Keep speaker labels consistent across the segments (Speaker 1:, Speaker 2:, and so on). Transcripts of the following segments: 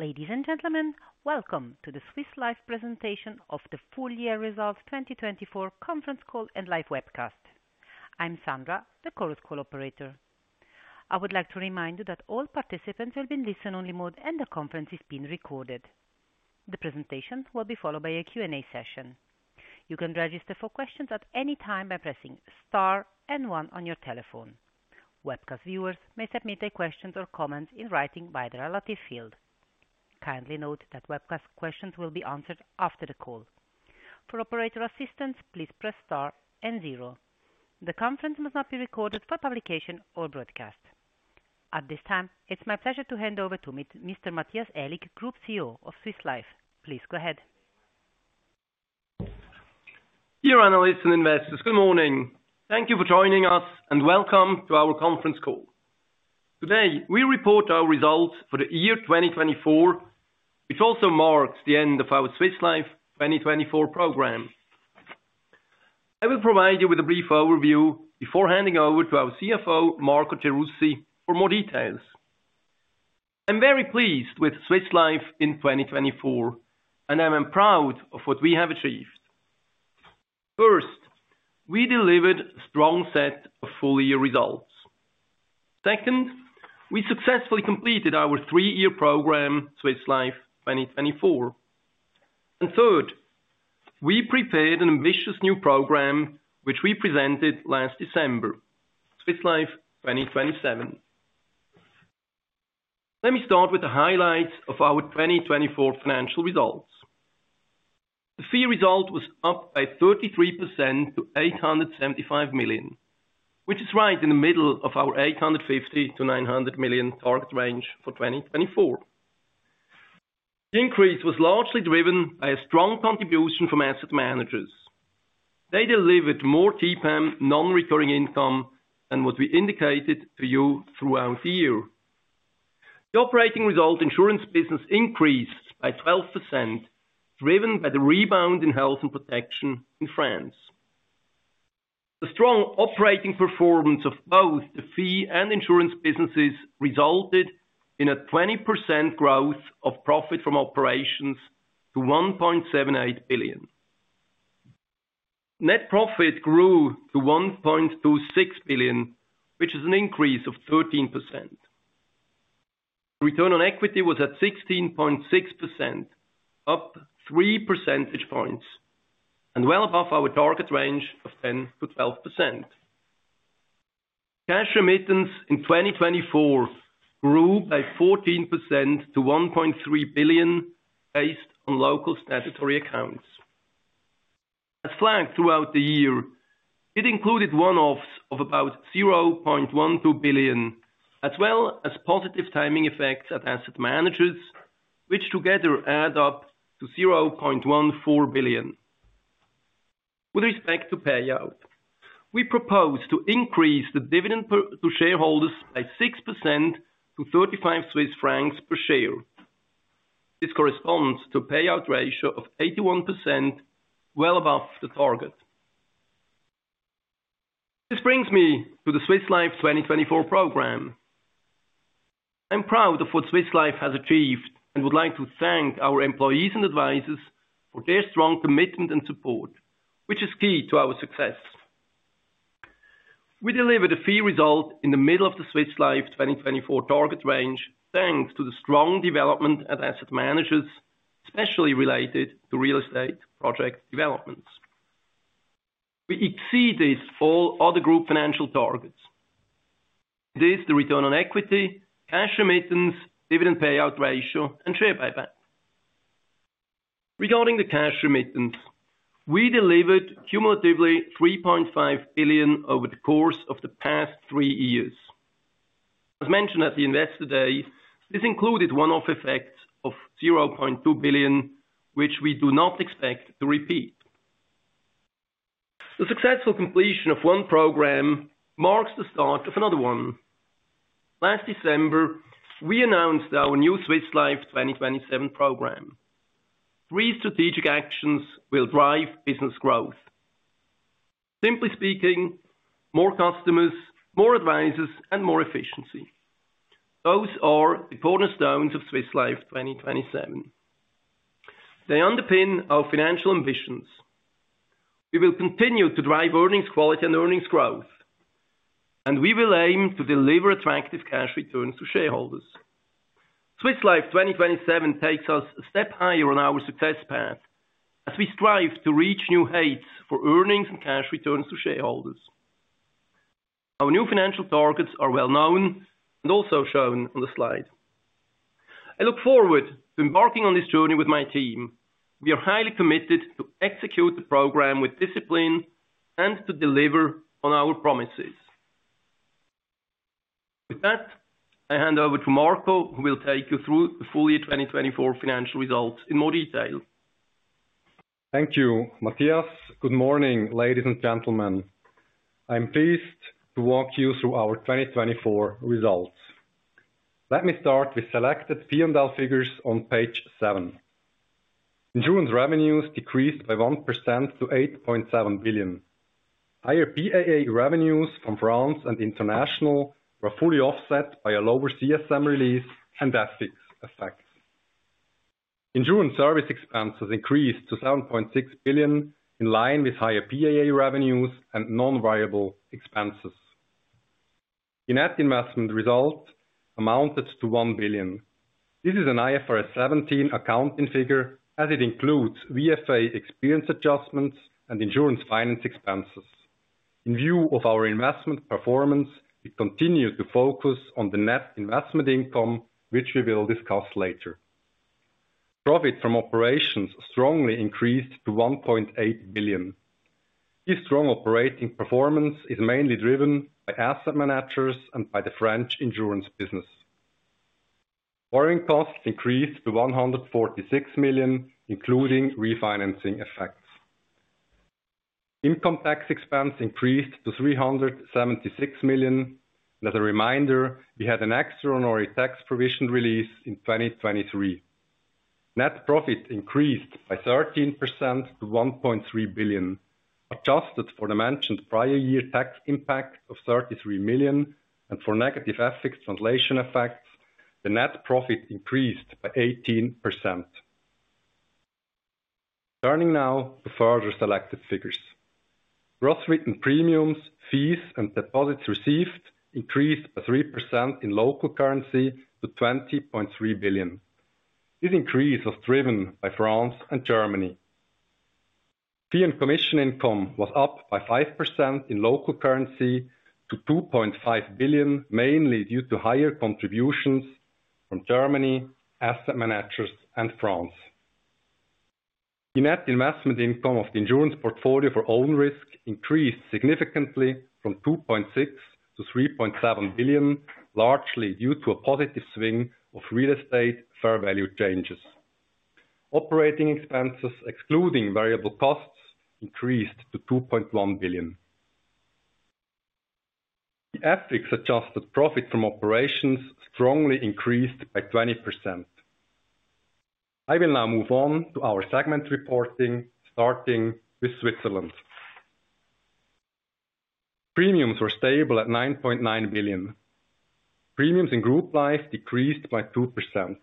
Speaker 1: Ladies and gentlemen, welcome to the Swiss Life presentation of the full year results 2024 conference call and live webcast. I'm Sandra, the Chorus Call operator. I would like to remind you that all participants will be in listen-only mode and the conference is being recorded. The presentation will be followed by a Q&A session. You can register for questions at any time by pressing star and one on your telephone. Webcast viewers may submit their questions or comments in writing via the relative field. Kindly note that webcast questions will be answered after the call. For operator assistance, please press star and zero. The conference must not be recorded for publication or broadcast. At this time, it's my pleasure to hand over to Mr. Matthias Aellig, Group CEO of Swiss Life. Please go ahead.
Speaker 2: Dear analysts and investors, good morning. Thank you for joining us and welcome to our conference call. Today, we report our results for the year 2024, which also marks the end of our Swiss Life 2024 program. I will provide you with a brief overview before handing over to our CFO, Marco Gerussi, for more details. I'm very pleased with Swiss Life in 2024, and I'm proud of what we have achieved. First, we delivered a strong set of full-year results. Second, we successfully completed our three-year program, Swiss Life 2024. Third, we prepared an ambitious new program, which we presented last December, Swiss Life 2027. Let me start with the highlights of our 2024 financial results. The fee result was up by 33% to 875 million, which is right in the middle of our 850-900 million target range for 2024. The increase was largely driven by a strong contribution from asset managers. They delivered more TPAM, non-recurring income, than what we indicated to you throughout the year. The operating result insurance business increased by 12%, driven by the rebound in health and protection in France. The strong operating performance of both the fee and insurance businesses resulted in a 20% growth of profit from operations to 1.78 billion. Net profit grew to 1.26 billion, which is an increase of 13%. Return on equity was at 16.6%, up 3 percentage points, and well above our target range of 10-12%. Cash remittance in 2024 grew by 14% to 1.3 billion, based on local statutory accounts. As flagged throughout the year, it included one-offs of about 0.12 billion, as well as positive timing effects at asset managers, which together add up to 0.14 billion. With respect to payout, we propose to increase the dividend to shareholders by 6% to 35 Swiss francs per share. This corresponds to a payout ratio of 81%, well above the target. This brings me to the Swiss Life 2024 program. I'm proud of what Swiss Life has achieved and would like to thank our employees and advisors for their strong commitment and support, which is key to our success. We delivered a fee result in the middle of the Swiss Life 2024 target range, thanks to the strong development at asset managers, especially related to real estate project developments. We exceeded all other group financial targets. It is the return on equity, cash remittance, dividend payout ratio, and share buyback. Regarding the cash remittance, we delivered cumulatively 3.5 billion over the course of the past three years. As mentioned at the investor day, this included one-off effects of 0.2 billion, which we do not expect to repeat. The successful completion of one program marks the start of another one. Last December, we announced our new Swiss Life 2027 program. Three strategic actions will drive business growth. Simply speaking, more customers, more advisors, and more efficiency. Those are the cornerstones of Swiss Life 2027. They underpin our financial ambitions. We will continue to drive earnings quality and earnings growth, and we will aim to deliver attractive cash returns to shareholders. Swiss Life 2027 takes us a step higher on our success path as we strive to reach new heights for earnings and cash returns to shareholders. Our new financial targets are well known and also shown on the slide. I look forward to embarking on this journey with my team. We are highly committed to execute the program with discipline and to deliver on our promises. With that, I hand over to Marco, who will take you through the full year 2024 financial results in more detail.
Speaker 3: Thank you, Matthias. Good morning, ladies and gentlemen. I'm pleased to walk you through our 2024 results. Let me start with selected P&L figures on page seven. In June, revenues decreased by 1% to 8.7 billion. Higher PAA revenues from France and international were fully offset by a lower CSM release and FX effects. In June, service expenses increased to 7.6 billion, in line with higher PAA revenues and non-viable expenses. The net investment result amounted to 1 billion. This is an IFRS 17 accounting figure, as it includes VFA experience adjustments and insurance finance expenses. In view of our investment performance, we continue to focus on the net investment income, which we will discuss later. Profit from operations strongly increased to 1.8 billion. This strong operating performance is mainly driven by asset managers and by the French insurance business. Borrowing costs increased to 146 million, including refinancing effects. Income tax expense increased to 376 million. As a reminder, we had an extraordinary tax provision release in 2023. Net profit increased by 13% to 1.3 billion, adjusted for the mentioned prior year tax impact of 33 million, and for negative FX translation effects, the net profit increased by 18%. Turning now to further selected figures. Gross written premiums, fees, and deposits received increased by 3% in local currency to 20.3 billion. This increase was driven by France and Germany. Fee and commission income was up by 5% in local currency to 2.5 billion, mainly due to higher contributions from Germany, asset managers, and France. The net investment income of the insurance portfolio for own risk increased significantly from 2.6 billion to 3.7 billion, largely due to a positive swing of real estate fair value changes. Operating expenses, excluding variable costs, increased to 2.1 billion. The FX adjusted profit from operations strongly increased by 20%. I will now move on to our segment reporting, starting with Switzerland. Premiums were stable at 9.9 billion. Premiums in group life decreased by 2%.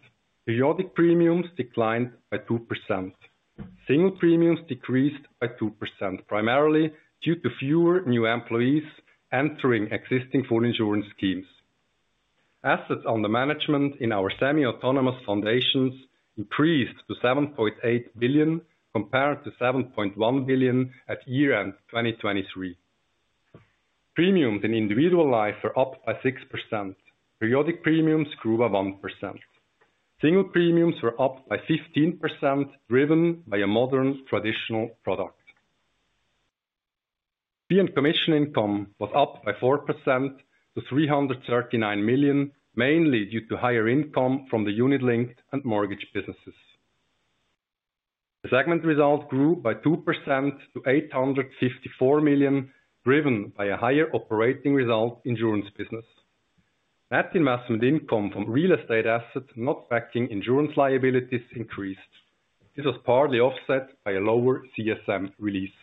Speaker 3: Periodic premiums declined by 2%. Single premiums decreased by 2%, primarily due to fewer new employees entering existing full insurance schemes. Assets under management in our semi-autonomous foundations increased to 7.8 billion, compared to 7.1 billion at year-end 2023. Premiums in individual life were up by 6%. Periodic premiums grew by 1%. Single premiums were up by 15%, driven by a modern traditional product. Fee and commission income was up by 4% to 339 million, mainly due to higher income from the unit-linked and mortgage businesses. The segment result grew by 2% to 854 million, driven by a higher operating result insurance business. Net investment income from real estate assets not backing insurance liabilities increased. This was partly offset by a lower CSM release.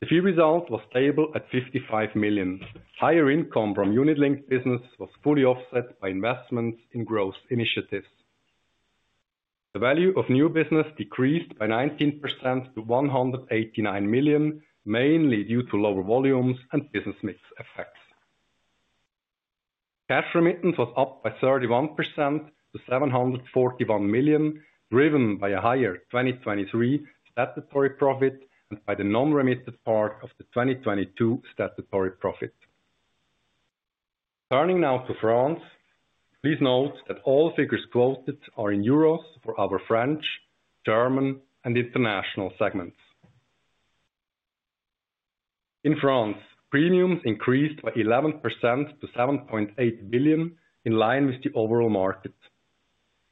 Speaker 3: The fee result was stable at 55 million. Higher income from unit-linked business was fully offset by investments in growth initiatives. The value of new business decreased by 19% to 189 million, mainly due to lower volumes and business mix effects. Cash remittance was up by 31% to 741 million, driven by a higher 2023 statutory profit and by the non-remitted part of the 2022 statutory profit. Turning now to France, please note that all figures quoted are in EUR for our French, German, and international segments. In France, premiums increased by 11% to 7.8 billion, in line with the overall market.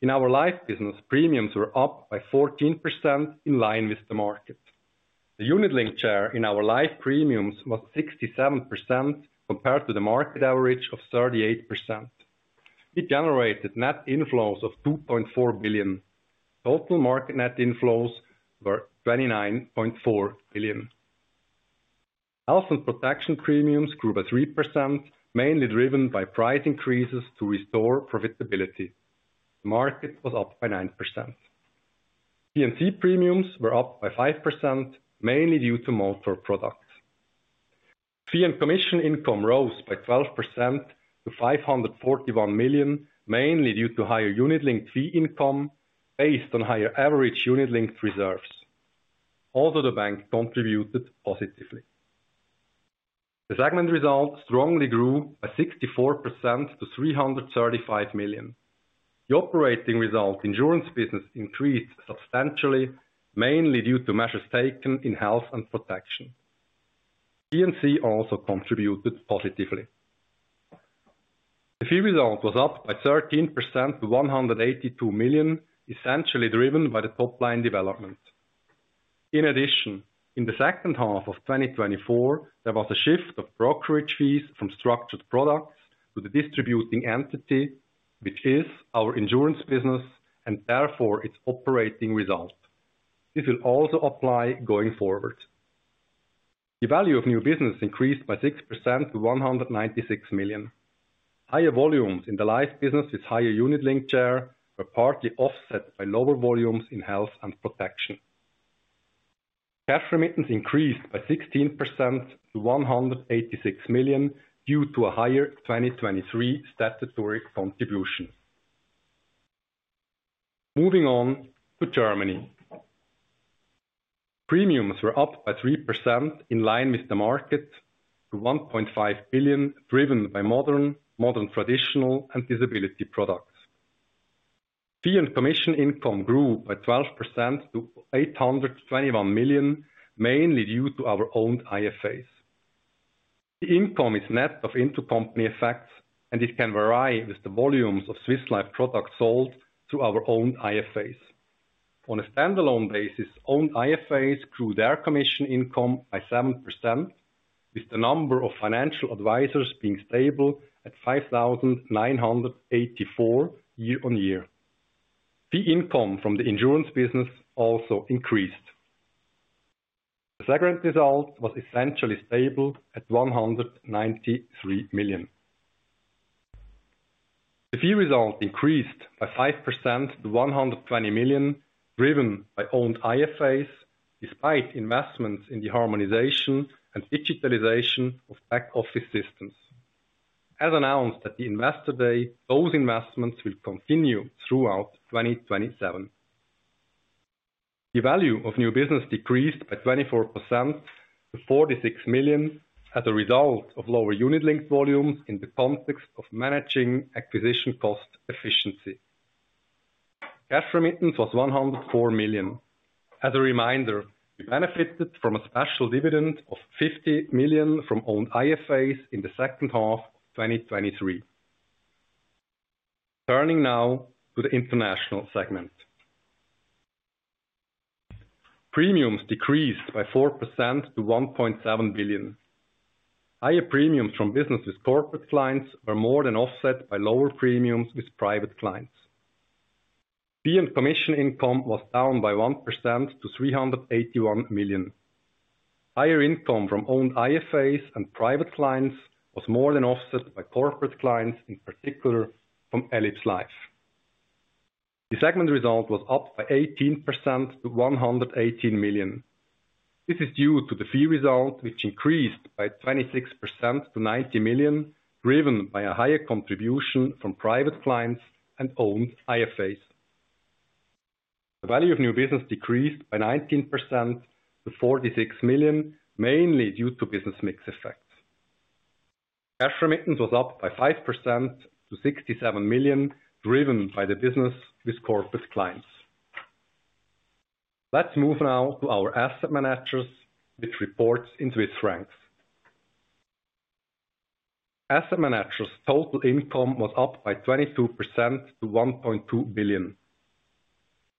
Speaker 3: In our life business, premiums were up by 14%, in line with the market. The unit-linked share in our life premiums was 67%, compared to the market average of 38%. It generated net inflows of 2.4 billion. Total market net inflows were 29.4 billion. Health and protection premiums grew by 3%, mainly driven by price increases to restore profitability. The market was up by 9%. P&C premiums were up by 5%, mainly due to motor products. Fee and commission income rose by 12% to 541 million, mainly due to higher unit-linked fee income based on higher average unit-linked reserves. Also the bank contributed positively. The segment result strongly grew by 64% to 335 million. The operating result insurance business increased substantially, mainly due to measures taken in health and protection. P&C also contributed positively. The fee result was up by 13% to 182 million, essentially driven by the top-line development. In addition, in the second half of 2024, there was a shift of brokerage fees from structured products to the distributing entity, which is our insurance business, and therefore its operating result. This will also apply going forward. The value of new business increased by 6% to 196 million. Higher volumes in the life business with higher unit-linked share were partly offset by lower volumes in health and protection. Cash remittance increased by 16% to 186 million due to a higher 2023 statutory contribution. Moving on to Germany. Premiums were up by 3% in line with the market to 1.5 billion, driven by modern, modern traditional, and disability products. Fee and commission income grew by 12% to 821 million, mainly due to our own IFAs. The income is net of intercompany effects, and it can vary with the volumes of Swiss Life products sold to our own IFAs. On a standalone basis, own IFAs grew their commission income by 7%, with the number of financial advisors being stable at 5,984 year on year. Fee income from the insurance business also increased. The segment result was essentially stable at 193 million. The fee result increased by 5% to 120 million, driven by owned IFAs, despite investments in the harmonization and digitalization of back-office systems. As announced at the investor day, those investments will continue throughout 2027. The value of new business decreased by 24% to 46 million as a result of lower unit-linked volumes in the context of managing acquisition cost efficiency. Cash remittance was 104 million. As a reminder, we benefited from a special dividend of 50 million from owned IFAs in the second half of 2023. Turning now to the international segment. Premiums decreased by 4% to 1.7 billion. Higher premiums from business with corporate clients were more than offset by lower premiums with private clients. Fee and commission income was down by 1% to 381 million. Higher income from owned IFAs and private clients was more than offset by corporate clients, in particular from Ellipse Life. The segment result was up by 18% to 118 million. This is due to the fee result, which increased by 26% to 90 million, driven by a higher contribution from private clients and owned IFAs. The value of new business decreased by 19% to 46 million, mainly due to business mix effects. Cash remittance was up by 5% to 67 million, driven by the business with corporate clients. Let's move now to our asset managers, which reports in Swiss francs. Asset managers' total income was up by 22% to 1.2 billion.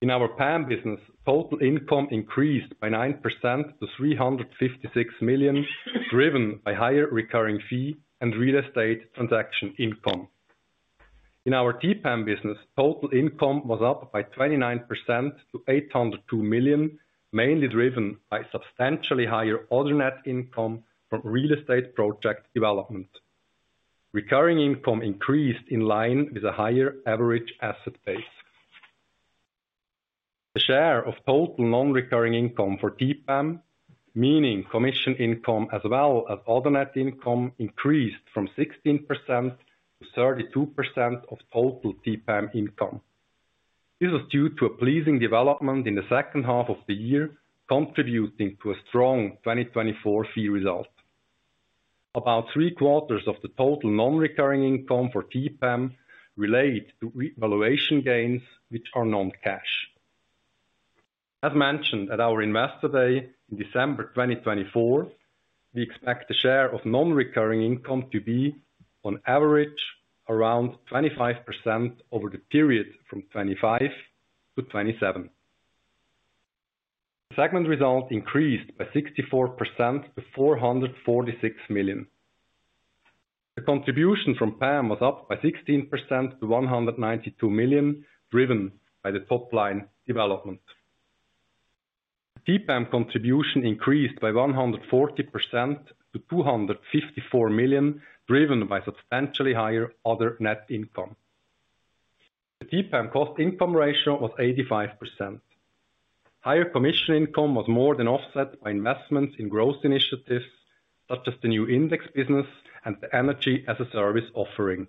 Speaker 3: In our PAM business, total income increased by 9% to 356 million, driven by higher recurring fee and real estate transaction income. In our TPAM business, total income was up by 29% to 802 million, mainly driven by substantially higher other net income from real estate project development. Recurring income increased in line with a higher average asset base. The share of total non-recurring income for TPAM, meaning commission income as well as other net income, increased from 16% to 32% of total TPAM income. This was due to a pleasing development in the second half of the year, contributing to a strong 2024 fee result. About three quarters of the total non-recurring income for TPAM relates to valuation gains, which are non-cash. As mentioned at our investor day in December 2024, we expect the share of non-recurring income to be, on average, around 25% over the period from 2025 to 2027. The segment result increased by 64% to 446 million. The contribution from PAM was up by 16% to 192 million, driven by the top-line development. The TPAM contribution increased by 140% to 254 million, driven by substantially higher other net income. The TPAM cost income ratio was 85%. Higher commission income was more than offset by investments in growth initiatives, such as the new Index Business and the energy-as-a-service offering.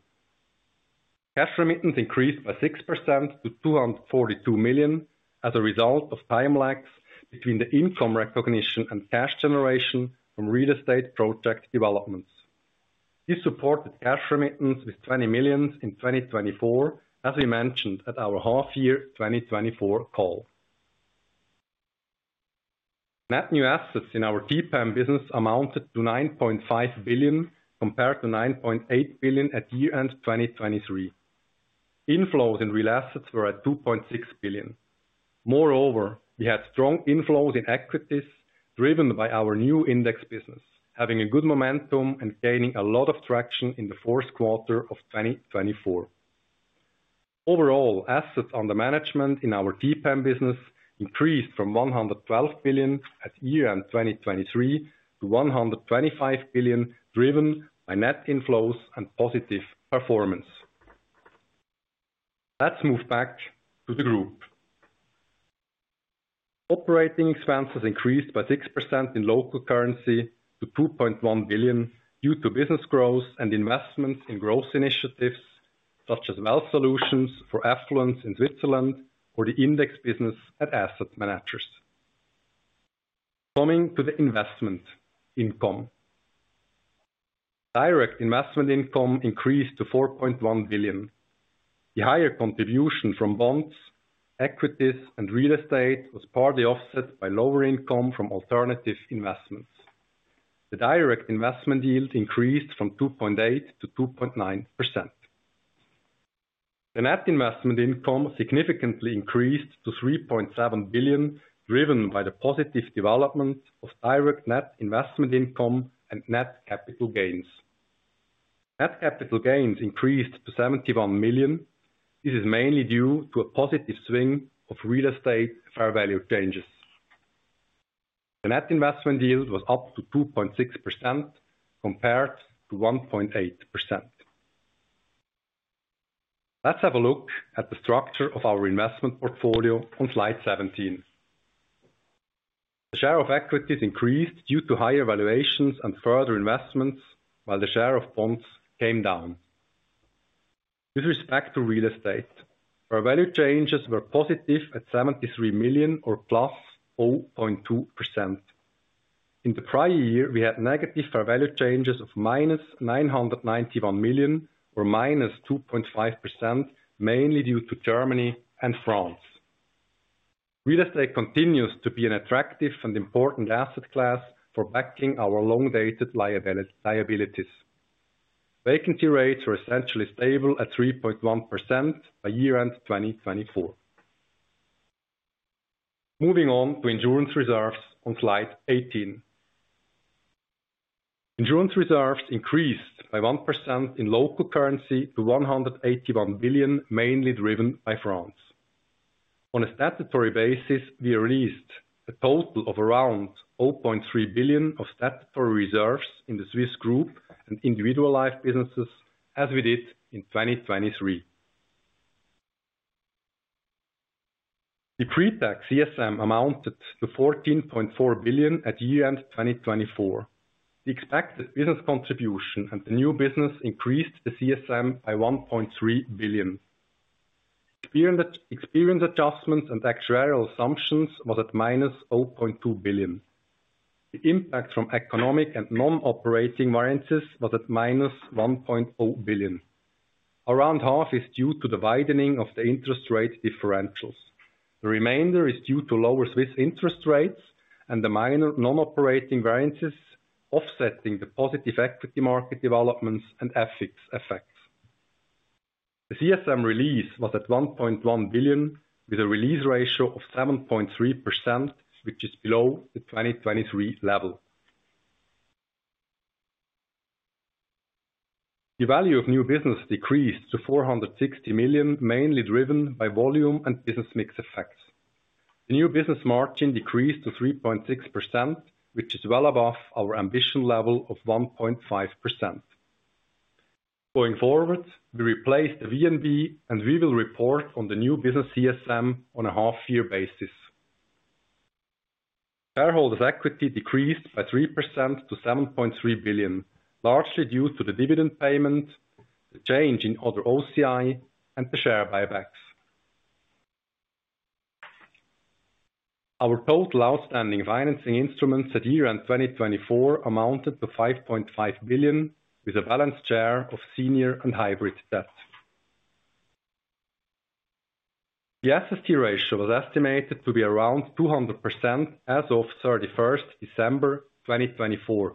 Speaker 3: Cash remittance increased by 6% to 242 million as a result of time lags between the income recognition and cash generation from real estate project developments. This supported cash remittance with 20 million in 2024, as we mentioned at our half-year 2024 call. Net new assets in our TPAM business amounted to 9.5 billion, compared to 9.8 billion at year-end 2023. Inflows in real assets were at 2.6 billion. Moreover, we had strong inflows in equities, driven by our new Index Business, having a good momentum and gaining a lot of traction in the fourth quarter of 2024. Overall, assets under management in our TPAM business increased from 112 billion at year-end 2023 to 125 billion, driven by net inflows and positive performance. Let's move back to the group. Operating expenses increased by 6% in local currency to 2.1 billion, due to business growth and investments in growth initiatives, such as WELL Solutions for affluence in Switzerland, or the Index Business at asset managers. Coming to the investment income. Direct investment income increased to 4.1 billion. The higher contribution from bonds, equities, and real estate was partly offset by lower income from alternative investments. The direct investment yield increased from 2.8% to 2.9%. The net investment income significantly increased to 3.7 billion, driven by the positive development of direct net investment income and net capital gains. Net capital gains increased to 71 million. This is mainly due to a positive swing of real estate fair value changes. The net investment yield was up to 2.6%, compared to 1.8%. Let's have a look at the structure of our investment portfolio on slide 17. The share of equities increased due to higher valuations and further investments, while the share of bonds came down. With respect to real estate, fair value changes were positive at 73 million or plus 0.2%. In the prior year, we had negative fair value changes of minus 991 million or minus 2.5%, mainly due to Germany and France. Real estate continues to be an attractive and important asset class for backing our long-dated liabilities. Vacancy rates were essentially stable at 3.1% by year-end 2024. Moving on to insurance reserves on slide 18. Insurance reserves increased by 1% in local currency to 181 billion, mainly driven by France. On a statutory basis, we released a total of around 0.3 billion of statutory reserves in the Swiss group and individual life businesses, as we did in 2023. The pre-tax CSM amounted to 14.4 billion at year-end 2024. The expected business contribution and the new business increased the CSM by 1.3 billion. Experience adjustments and actuarial assumptions were at minus 0.2 billion. The impact from economic and non-operating variances was at minus 1.0 billion. Around half is due to the widening of the interest rate differentials. The remainder is due to lower Swiss interest rates and the minor non-operating variances offsetting the positive equity market developments and FX effects. The CSM release was at 1.1 billion, with a release ratio of 7.3%, which is below the 2023 level. The value of new business decreased to 460 million, mainly driven by volume and business mix effects. The new business margin decreased to 3.6%, which is well above our ambition level of 1.5%. Going forward, we replaced the VNB, and we will report on the new business CSM on a half-year basis. Shareholders' equity decreased by 3% to 7.3 billion, largely due to the dividend payment, the change in other OCI, and the share buybacks. Our total outstanding financing instruments at year-end 2024 amounted to 5.5 billion, with a balanced share of senior and hybrid debt. The SST ratio was estimated to be around 200% as of 31 December 2024.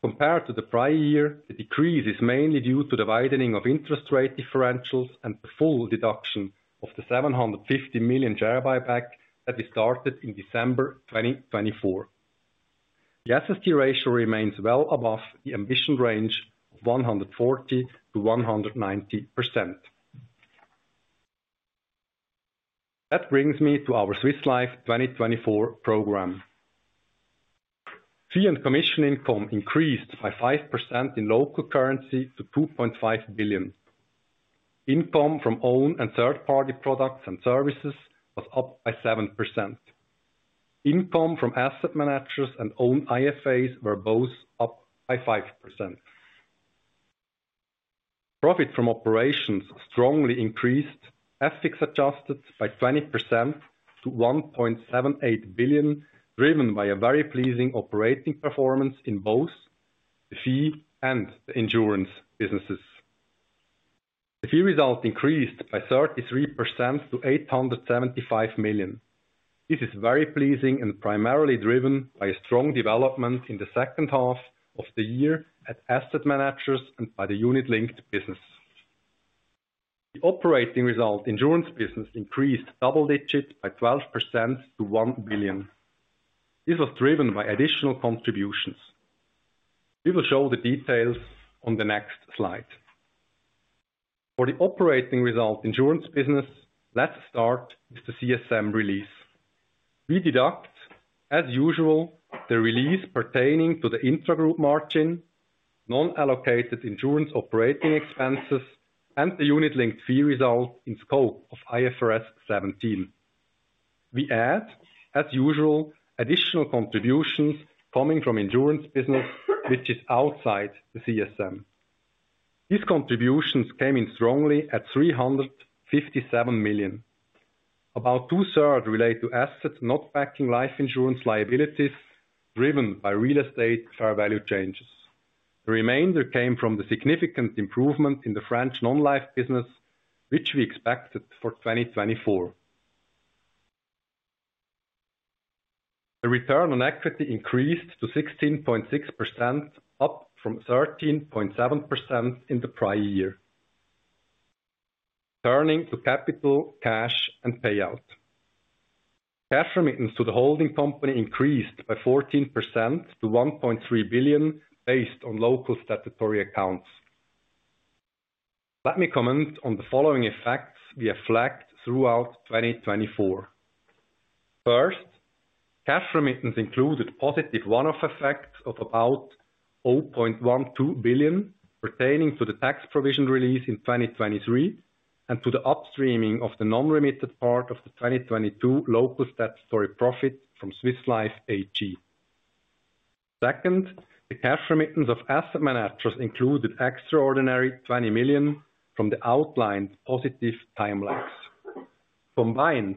Speaker 3: Compared to the prior year, the decrease is mainly due to the widening of interest rate differentials and the full deduction of the 750 million share buyback that we started in December 2024. The SST ratio remains well above the ambition range of 140%-190%. That brings me to our Swiss Life 2024 program. Fee and commission income increased by 5% in local currency to 2.5 billion. Income from owned and third-party products and services was up by 7%. Income from asset managers and owned IFAs were both up by 5%. Profit from operations strongly increased, FX adjusted by 20% to 1.78 billion, driven by a very pleasing operating performance in both the fee and the insurance businesses. The fee result increased by 33% to 875 million. This is very pleasing and primarily driven by a strong development in the second half of the year at asset managers and by the unit-linked business. The operating result insurance business increased double-digit by 12% to 1 billion. This was driven by additional contributions. We will show the details on the next slide. For the operating result insurance business, let's start with the CSM release. We deduct, as usual, the release pertaining to the intragroup margin, non-allocated insurance operating expenses, and the unit-linked fee result in scope of IFRS 17. We add, as usual, additional contributions coming from insurance business, which is outside the CSM. These contributions came in strongly at 357 million. About two-thirds relate to assets not backing life insurance liabilities, driven by real estate fair value changes. The remainder came from the significant improvement in the French non-life business, which we expected for 2024. The return on equity increased to 16.6%, up from 13.7% in the prior year. Turning to capital, cash, and payout. Cash remittance to the holding company increased by 14% to 1.3 billion, based on local statutory accounts. Let me comment on the following effects we have flagged throughout 2024. First, cash remittance included positive one-off effects of about 0.12 billion, pertaining to the tax provision release in 2023 and to the upstreaming of the non-remitted part of the 2022 local statutory profit from Swiss Life AG. Second, the cash remittance of asset managers included extraordinary 20 million from the outlined positive time lags. Combined,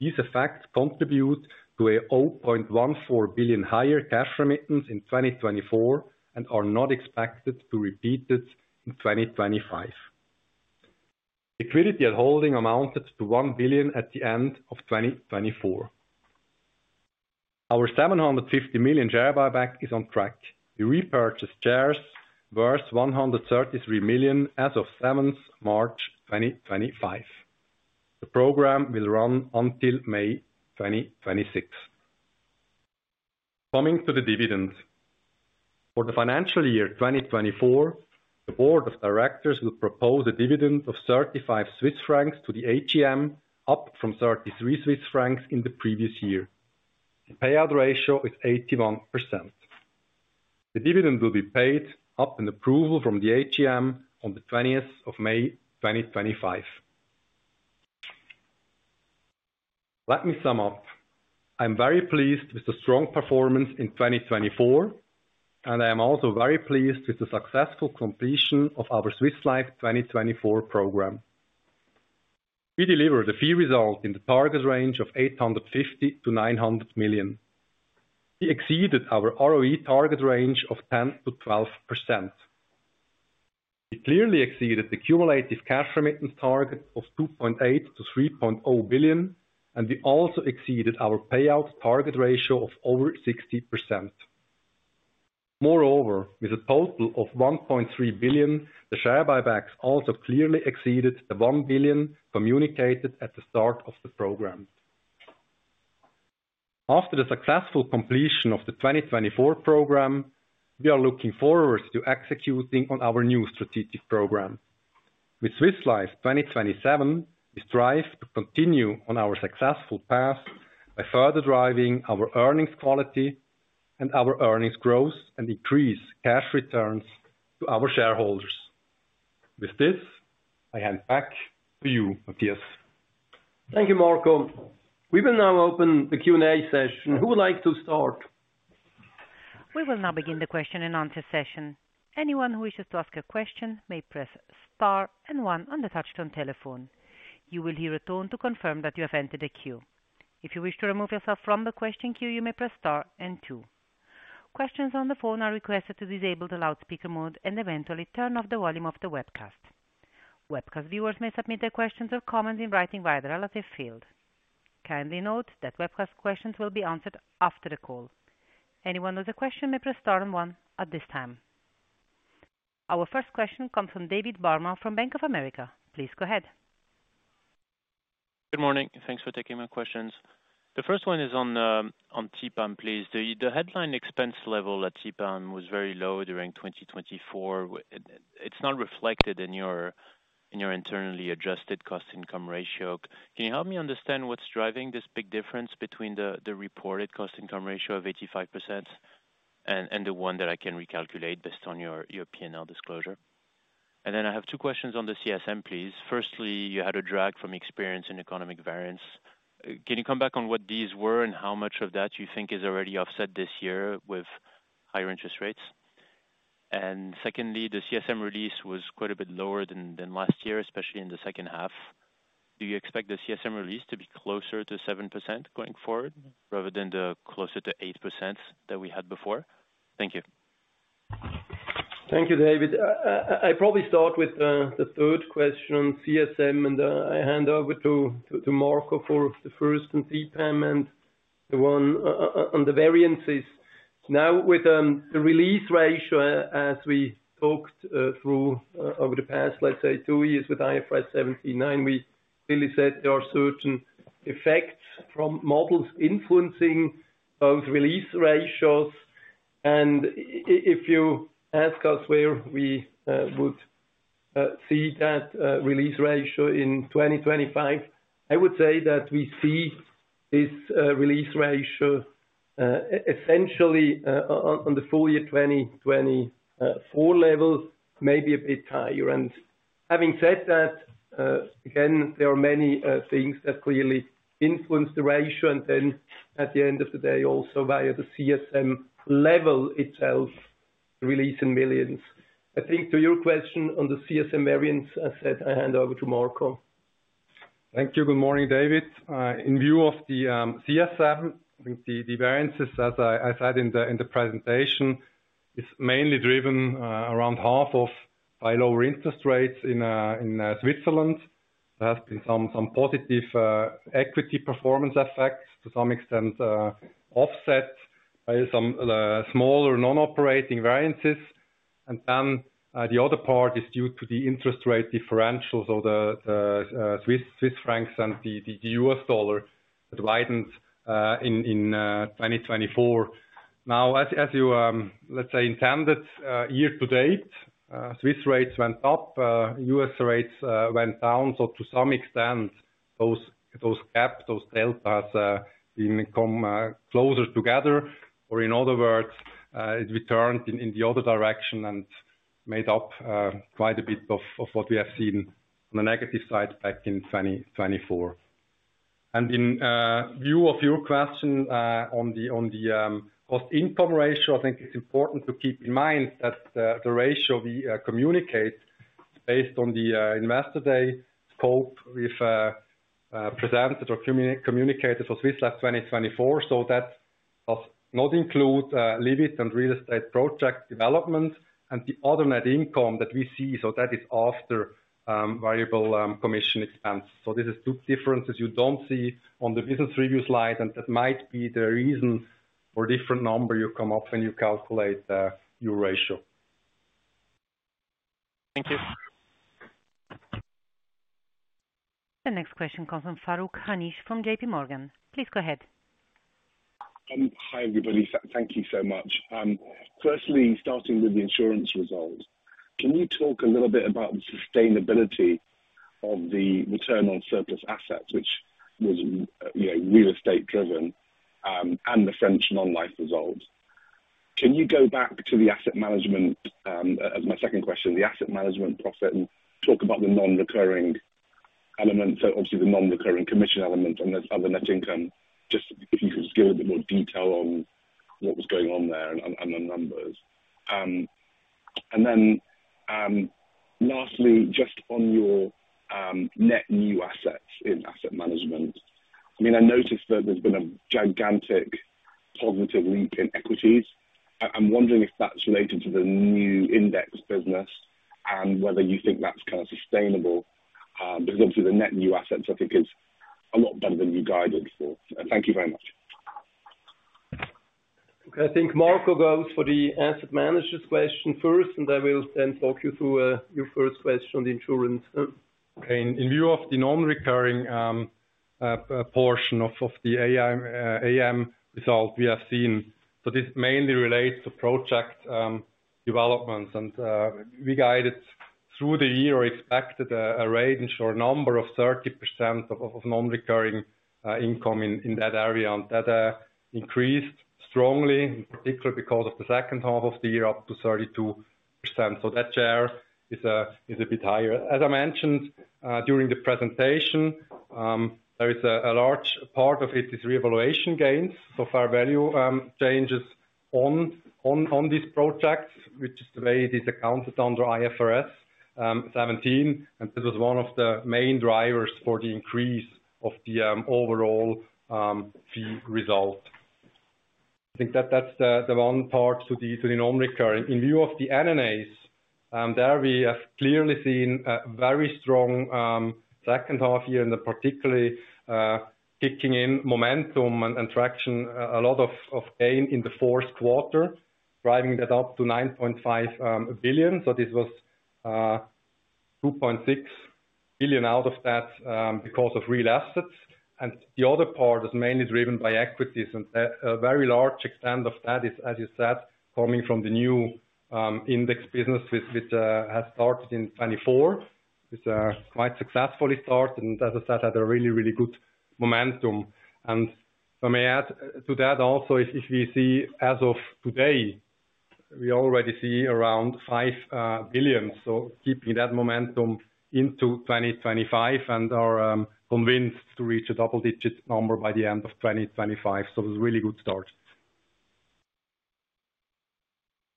Speaker 3: these effects contribute to a 0.14 billion higher cash remittance in 2024 and are not expected to repeat in 2025. Liquidity at holding amounted to 1 billion at the end of 2024. Our 750 million share buyback is on track. We repurchased shares, worth 133 million as of 7 March 2025. The program will run until May 2026. Coming to the dividend. For the financial year 2024, the Board of Directors will propose a dividend of 35 Swiss francs to the AGM, up from 33 Swiss francs in the previous year. The payout ratio is 81%. The dividend will be paid upon approval from the AGM on the 20th of May 2025. Let me sum up. I am very pleased with the strong performance in 2024, and I am also very pleased with the successful completion of our Swiss Life 2024 program. We delivered a fee result in the target range of 850 million-900 million. We exceeded our ROE target range of 10%-12%. We clearly exceeded the cumulative cash remittance target of 2.8 billion-3.0 billion, and we also exceeded our payout target ratio of over 60%. Moreover, with a total of 1.3 billion, the share buybacks also clearly exceeded the 1 billion communicated at the start of the program. After the successful completion of the 2024 program, we are looking forward to executing on our new strategic program. With Swiss Life 2027, we strive to continue on our successful path by further driving our earnings quality and our earnings growth and increase cash returns to our shareholders. With this, I hand back to you, Matthias.
Speaker 2: Thank you, Marco. We will now open the Q&A session. Who would like to start?
Speaker 1: We will now begin the question and answer session. Anyone who wishes to ask a question may press Star and one on the touch-tone telephone. You will hear a tone to confirm that you have entered a queue. If you wish to remove yourself from the question queue, you may press Star and two. Questions on the phone are requested to disable the loudspeaker mode and eventually turn off the volume of the webcast. Webcast viewers may submit their questions or comments in writing via the relative field. Kindly note that webcast questions will be answered after the call. Anyone with a question may press Star and 1 at this time. Our first question comes from David Barma from Bank of America. Please go ahead.
Speaker 4: Good morning. Thanks for taking my questions. The first one is on TPAM, please. The headline expense level at TPAM was very low during 2024. It's not reflected in your internally adjusted cost-income ratio. Can you help me understand what's driving this big difference between the reported cost-income ratio of 85% and the one that I can recalculate based on your P&L disclosure? I have two questions on the CSM, please. Firstly, you had a drag from experience in economic variance. Can you come back on what these were and how much of that you think is already offset this year with higher interest rates? Secondly, the CSM release was quite a bit lower than last year, especially in the second half. Do you expect the CSM release to be closer to 7% going forward rather than the closer to 8% that we had before? Thank you.
Speaker 2: Thank you, David. I probably start with the third question, CSM, and I hand over to Marco for the first and TPAM and the one on the variances. Now, with the release ratio, as we talked through over the past, let's say, two years with IFRS 17, we clearly said there are certain effects from models influencing those release ratios. If you ask us where we would see that release ratio in 2025, I would say that we see this release ratio essentially on the full year 2024 level, maybe a bit higher. Having said that, again, there are many things that clearly influence the ratio, and at the end of the day, also via the CSM level itself, releasing millions. I think to your question on the CSM variance, I said I hand over to Marco.
Speaker 3: Thank you. Good morning, David. In view of the CSM, I think the variances, as I said in the presentation, are mainly driven around half off by lower interest rates in Switzerland. There has been some positive equity performance effects to some extent offset by some smaller non-operating variances. The other part is due to the interest rate differentials, so the Swiss francs and the US dollar that widened in 2024. Now, as you, let's say, intended year to date, Swiss rates went up, US rates went down. To some extent, those gaps, those deltas have been closer together, or in other words, it returned in the other direction and made up quite a bit of what we have seen on the negative side back in 2024. In view of your question on the cost-income ratio, I think it's important to keep in mind that the ratio we communicate is based on the investor day scope we've presented or communicated for Swiss Life 2024. That does not include living and real estate project development and the other net income that we see. That is after variable commission expense. These are two differences you do not see on the business review slide, and that might be the reason for a different number you come up with when you calculate your ratio. Thank you.
Speaker 1: The next question comes from Farooq Hanif from JPMorgan. Please go ahead.
Speaker 5: Hi, everybody. Thank you so much. Firstly, starting with the insurance results, can you talk a little bit about the sustainability of the return on surplus assets, which was real estate-driven, and the French non-life results? Can you go back to the asset management, as my second question, the asset management profit, and talk about the non-recurring element, so obviously the non-recurring commission element and the other net income? Just if you could just give a bit more detail on what was going on there and the numbers. Lastly, just on your net new assets in asset management, I mean, I noticed that there's been a gigantic positive leap in equities. I'm wondering if that's related to the new Index Business and whether you think that's kind of sustainable, because obviously the net new assets, I think, is a lot better than you guided for. Thank you very much.
Speaker 2: I think Marco goes for the asset managers' question first, and I will then talk you through your first question on the insurance.
Speaker 3: In view of the non-recurring portion of the AM result we have seen, so this mainly relates to project developments, and we guided through the year or expected a range or a number of 30% of non-recurring income in that area, and that increased strongly, in particular because of the second half of the year up to 32%. That share is a bit higher. As I mentioned during the presentation, a large part of it is revaluation gains, so fair value changes on these projects, which is the way it is accounted under IFRS 17, and this was one of the main drivers for the increase of the overall fee result. I think that's the one part to the non-recurring. In view of the NNAs, there we have clearly seen a very strong second half year and particularly kicking in momentum and traction, a lot of gain in the fourth quarter, driving that up to 9.5 billion. This was 2.6 billion out of that because of real assets. The other part is mainly driven by equities, and a very large extent of that is, as you said, coming from the new Index Business, which has started in 2024, which quite successfully started, and as I said, had a really, really good momentum. May I add to that also, if we see as of today, we already see around 5 billion, so keeping that momentum into 2025, and are convinced to reach a double-digit number by the end of 2025. It was a really good start.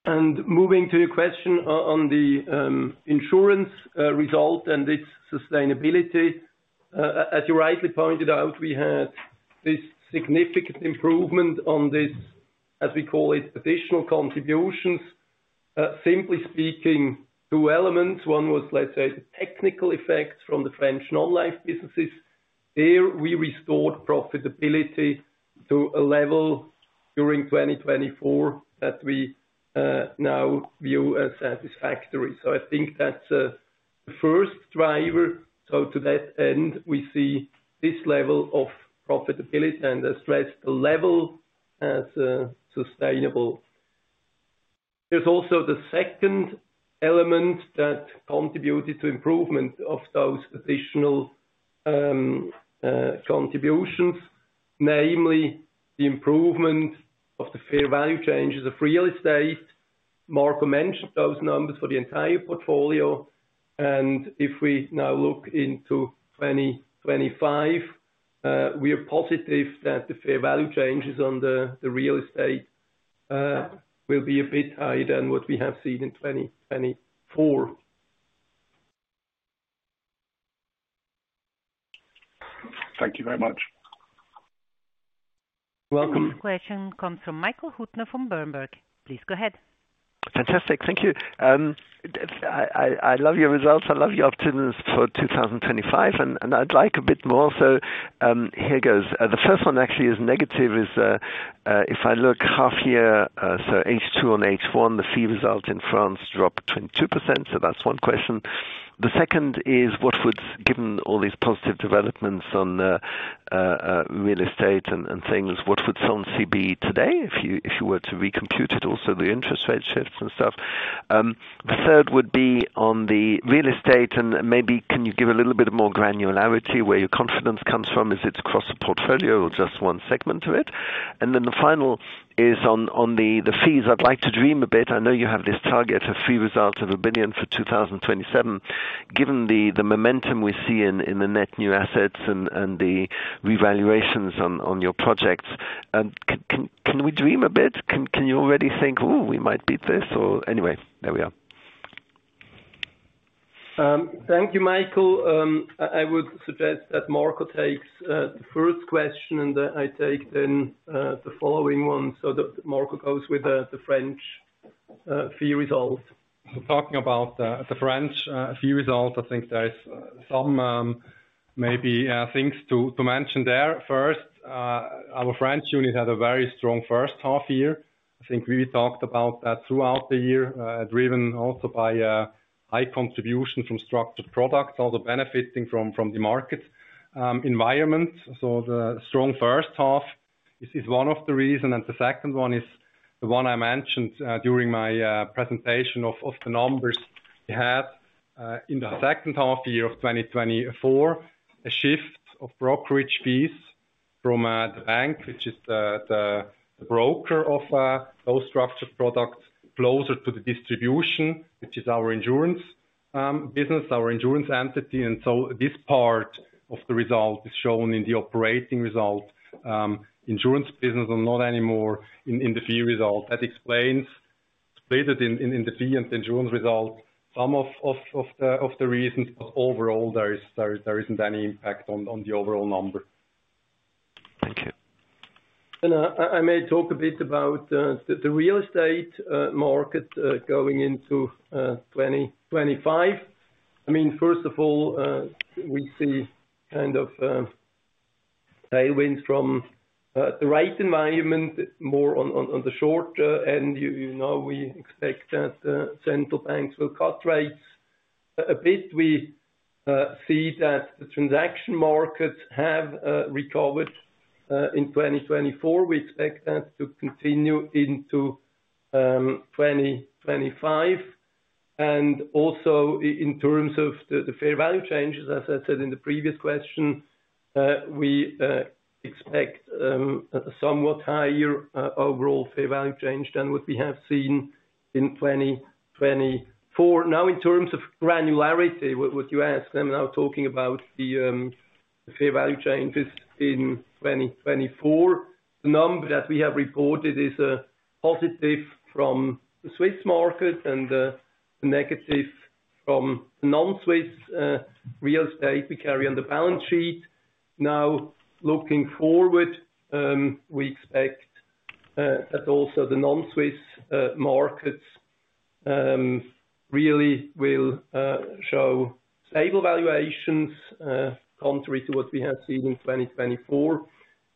Speaker 3: Moving to your question on the insurance result and its sustainability, as you rightly pointed out, we had this significant improvement on this, as we call it, Additional Contributions. Simply speaking, two elements. One was, let's say, the technical effects from the French non-life businesses. There we restored profitability to a level during 2024 that we now view as satisfactory. I think that's the first driver. To that end, we see this level of profitability and stress the level as sustainable. There's also the second element that contributed to improvement of those additional contributions, namely the improvement of the fair value changes of real estate. Marco mentioned those numbers for the entire portfolio. If we now look into 2025, we are positive that the fair value changes on the real estate will be a bit higher than what we have seen in 2024.
Speaker 5: Thank you very much.
Speaker 1: Welcome. The next question comes from Michael Huettner from Berenberg. Please go ahead.
Speaker 6: Fantastic. Thank you. I love your results. I love your optimism for 2025, and I'd like a bit more. Here goes. The first one actually is negative is if I look half year, so H2 and H1, the fee result in France dropped 22%. That is one question. The second is what would, given all these positive developments on real estate and things, what would SONSI be today if you were to recompute it, also the interest rate shifts and stuff? The third would be on the real estate, and maybe can you give a little bit of more granularity where your confidence comes from? Is it across the portfolio or just one segment of it? The final is on the fees. I'd like to dream a bit. I know you have this target of fee result of a billion for 2027. Given the momentum we see in the net new assets and the revaluations on your projects, can we dream a bit? Can you already think, "Oh, we might beat this?" Anyway, there we are.
Speaker 2: Thank you, Michael. I would suggest that Marco takes the first question, and I take then the following one. Marco goes with the French fee result.
Speaker 3: Talking about the French fee result, I think there are some maybe things to mention there. First, our French unit had a very strong first half year. I think we talked about that throughout the year, driven also by high contribution from structured products, also benefiting from the market environment. The strong first half is one of the reasons, and the second one is the one I mentioned during my presentation of the numbers we had in the second half year of 2024, a shift of brokerage fees from the bank, which is the broker of those structured products, closer to the distribution, which is our insurance business, our insurance entity. This part of the result is shown in the operating result insurance business and not anymore in the fee result. That explains split it in the fee and the insurance result, some of the reasons, but overall, there is not any impact on the overall number.
Speaker 2: Thank you. I may talk a bit about the real estate market going into 2025. I mean, first of all, we see kind of tailwinds from the right environment, more on the short end. We expect that central banks will cut rates a bit. We see that the transaction markets have recovered in 2024. We expect that to continue into 2025. Also in terms of the fair value changes, as I said in the previous question, we expect a somewhat higher overall fair value change than what we have seen in 2024. Now, in terms of granularity, what you asked, I'm now talking about the fair value changes in 2024. The number that we have reported is a positive from the Swiss market and a negative from the non-Swiss real estate we carry on the balance sheet. Now, looking forward, we expect that also the non-Swiss markets really will show stable valuations contrary to what we have seen in 2024.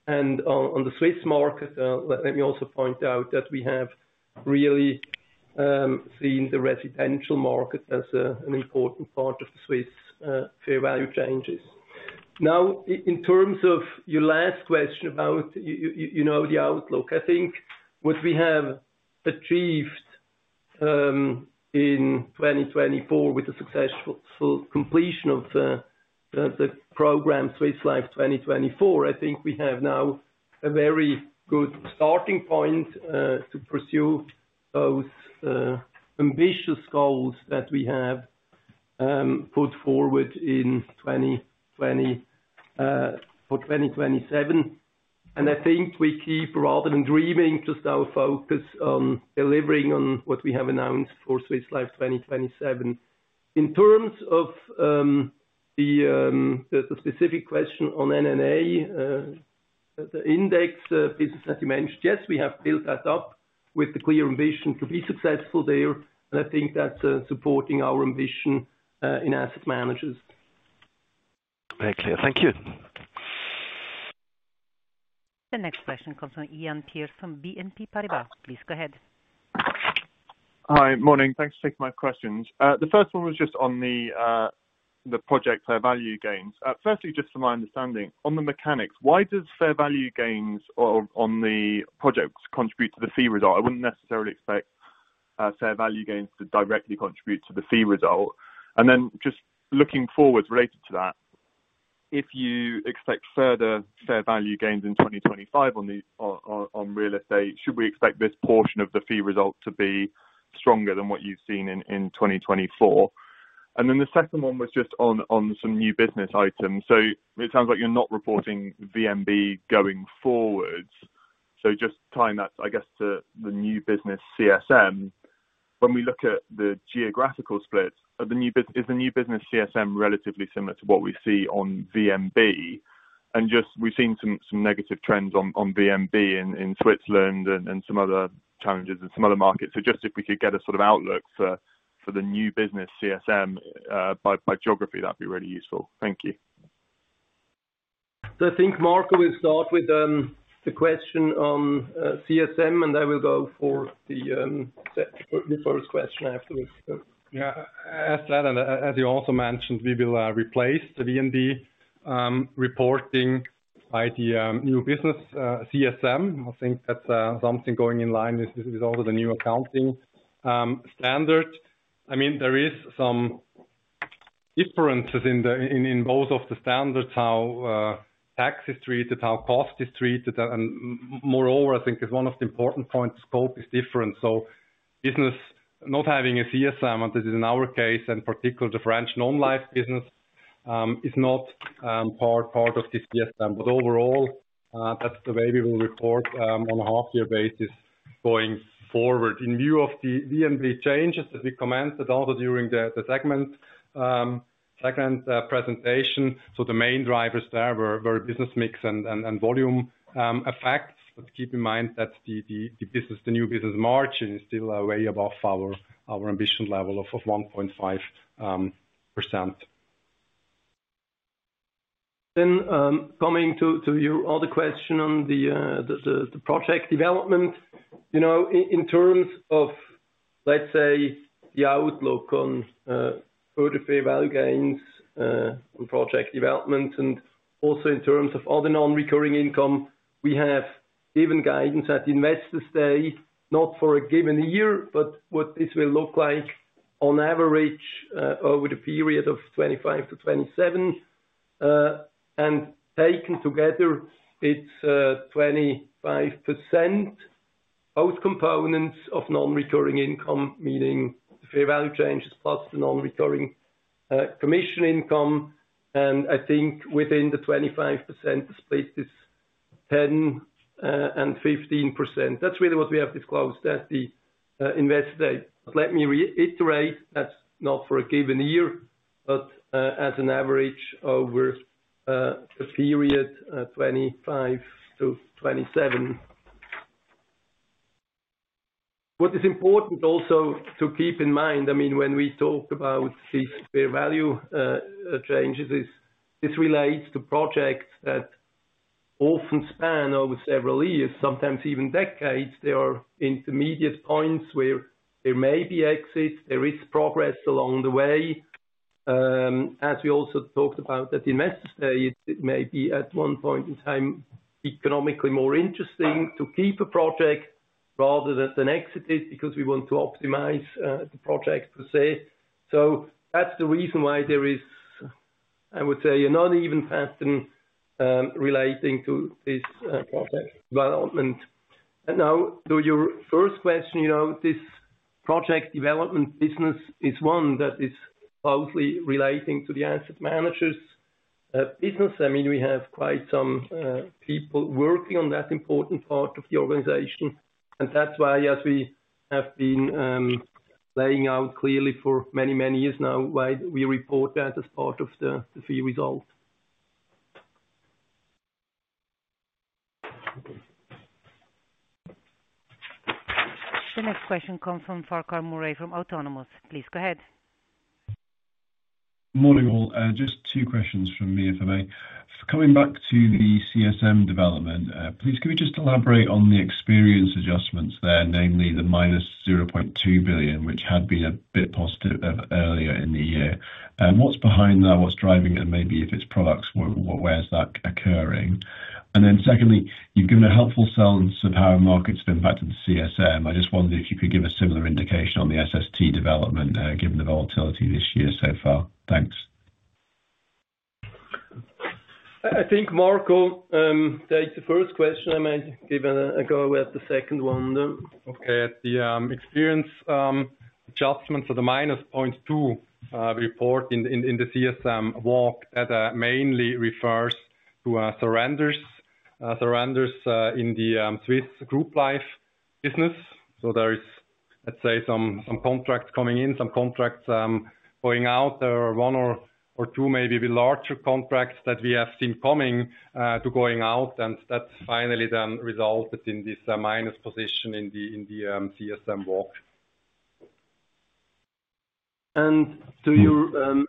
Speaker 2: On the Swiss market, let me also point out that we have really seen the residential market as an important part of the Swiss fair value changes. In terms of your last question about the outlook, I think what we have achieved in 2024 with the successful completion of the program, Swiss Life 2024, I think we have now a very good starting point to pursue those ambitious goals that we have put forward for 2027. I think we keep, rather than dreaming, just our focus on delivering on what we have announced for Swiss Life 2027. In terms of the specific question on NNA, the index business that you mentioned, yes, we have built that up with the clear ambition to be successful there, and I think that's supporting our ambition in asset managers.
Speaker 6: Very clear. Thank you.
Speaker 1: The next question comes from Iain Pearce from BNP Paribas. Please go ahead.
Speaker 3: Hi, morning. Thanks for taking my questions. The first one was just on the project fair value gains. Firstly, just from my understanding, on the mechanics, why does fair value gains on the projects contribute to the fee result? I wouldn't necessarily expect fair value gains to directly contribute to the fee result. Just looking forward related to that, if you expect further fair value gains in 2025 on real estate, should we expect this portion of the fee result to be stronger than what you've seen in 2024? The second one was just on some new business items. It sounds like you're not reporting VNB going forwards. Just tying that, I guess, to the new business CSM, when we look at the geographical split, is the new business CSM relatively similar to what we see on VNB? We've seen some negative trends on VNB in Switzerland and some other challenges in some other markets. If we could get a sort of outlook for the new business CSM by geography, that would be really useful. Thank you.
Speaker 2: I think Marco will start with the question on CSM, and I will go for the first question afterwards.
Speaker 3: Yeah. As you also mentioned, we will replace the VNB reporting by the new business CSM. I think that's something going in line with also the new accounting standard. I mean, there are some differences in both of the standards, how tax is treated, how cost is treated, and moreover, I think one of the important points, scope is different. Business not having a CSM, and this is in our case and particularly the French non-life business, is not part of the CSM. Overall, that's the way we will report on a half-year basis going forward. In view of the VNB changes that we commented on during the segment presentation, the main drivers there were business mix and volume effects. Keep in mind that the new business margin is still way above our ambition level of 1.5%.
Speaker 2: Coming to your other question on the project development, in terms of, let's say, the outlook on further fair value gains and project development, and also in terms of other non-recurring income, we have given guidance that investors stay not for a given year, but what this will look like on average over the period of 2025 to 2027. Taken together, it is 25% both components of non-recurring income, meaning the fair value changes plus the non-recurring commission income. I think within the 25% split, it is 10% and 15%. That is really what we have disclosed as the investor date. Let me reiterate, that is not for a given year, but as an average over the period 2025 to 2027. What is important also to keep in mind, I mean, when we talk about these fair value changes, this relates to projects that often span over several years, sometimes even decades. There are intermediate points where there may be exits. There is progress along the way. As we also talked about, that investors stay, it may be at one point in time economically more interesting to keep a project rather than exit it because we want to optimize the project per se. That is the reason why there is, I would say, an uneven pattern relating to this project development. Now, to your first question, this project development business is one that is closely relating to the asset managers' business. I mean, we have quite some people working on that important part of the organization, and that's why, as we have been laying out clearly for many, many years now, why we report that as part of the fee result.
Speaker 1: The next question comes from Farquhar Mourray from Autonomous. Please go ahead.
Speaker 7: Morning all. Just two questions from me if I may. Coming back to the CSM development, please can we just elaborate on the experience adjustments there, namely the minus 0.2 billion, which had been a bit positive earlier in the year? What's behind that? What's driving it? Maybe if it's products, where's that occurring? Secondly, you've given a helpful sense of how markets have impacted the CSM. I just wondered if you could give a similar indication on the SST development given the volatility this year so far. Thanks.
Speaker 2: I think, Marco, take the first question. I may give a go. We have the second one.
Speaker 3: Okay. The experience adjustments are the minus 0.2 reported in the CSM walk that mainly refers to surrenders in the Swiss group life business. There is, let's say, some contracts coming in, some contracts going out. There are one or two maybe larger contracts that we have seen coming to going out, and that finally then resulted in this minus position in the CSM walk.
Speaker 2: To your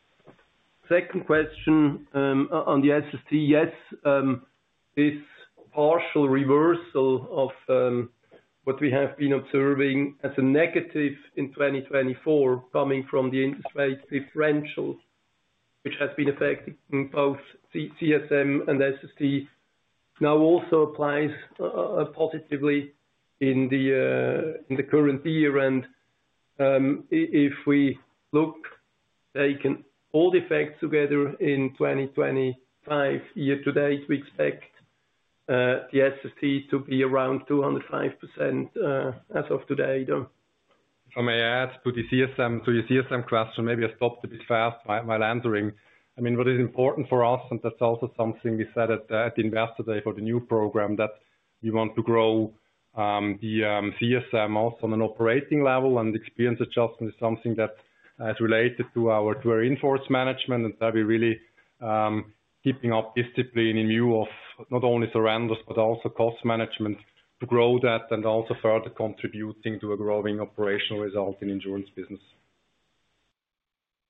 Speaker 2: second question on the SST, yes, this partial reversal of what we have been observing as a negative in 2024 coming from the interest rate differential, which has been affecting both CSM and SST, now also applies positively in the current year. If we look, taking all the effects together in 2025 year to date, we expect the SST to be around 205% as of today.
Speaker 3: If I may add to the CSM question, maybe I stopped a bit fast while answering. I mean, what is important for us, and that's also something we said at the investor day for the new program, that we want to grow the CSM also on an operating level, and experience adjustment is something that is related to our reinforced management, and that we're really keeping up discipline in view of not only surrenders, but also cost management to grow that and also further contributing to a growing operational result in insurance business.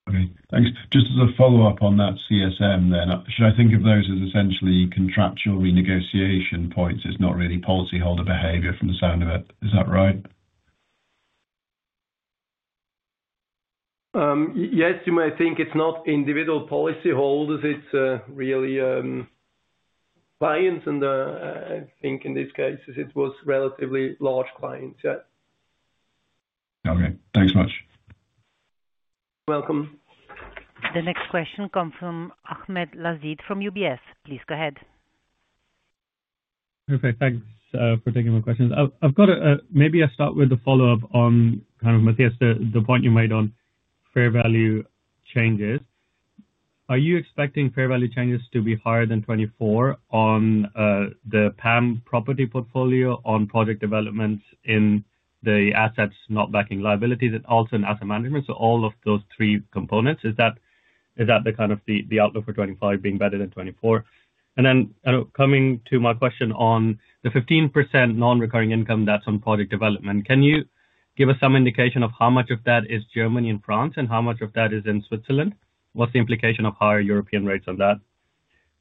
Speaker 7: Okay. Thanks. Just as a follow-up on that CSM then, should I think of those as essentially contractual renegotiation points? It's not really policyholder behavior from the sound of it. Is that right?
Speaker 2: Yes, you may think it's not individual policyholders. It's really clients, and I think in this case, it was relatively large clients. Yeah.
Speaker 7: Okay. Thanks much.
Speaker 2: You're welcome.
Speaker 1: The next question comes from Ahmed Lazid from UBS. Please go ahead.
Speaker 8: Perfect. Thanks for taking my questions. Maybe I'll start with the follow-up on kind of Matthias, the point you made on fair value changes. Are you expecting fair value changes to be higher than 2024 on the PAM property portfolio, on project development in the assets not backing liabilities, and also in asset management? All of those three components, is that kind of the outlook for 2025 being better than 2024? Then coming to my question on the 15% non-recurring income that's on project development, can you give us some indication of how much of that is Germany and France, and how much of that is in Switzerland? What's the implication of higher European rates on that?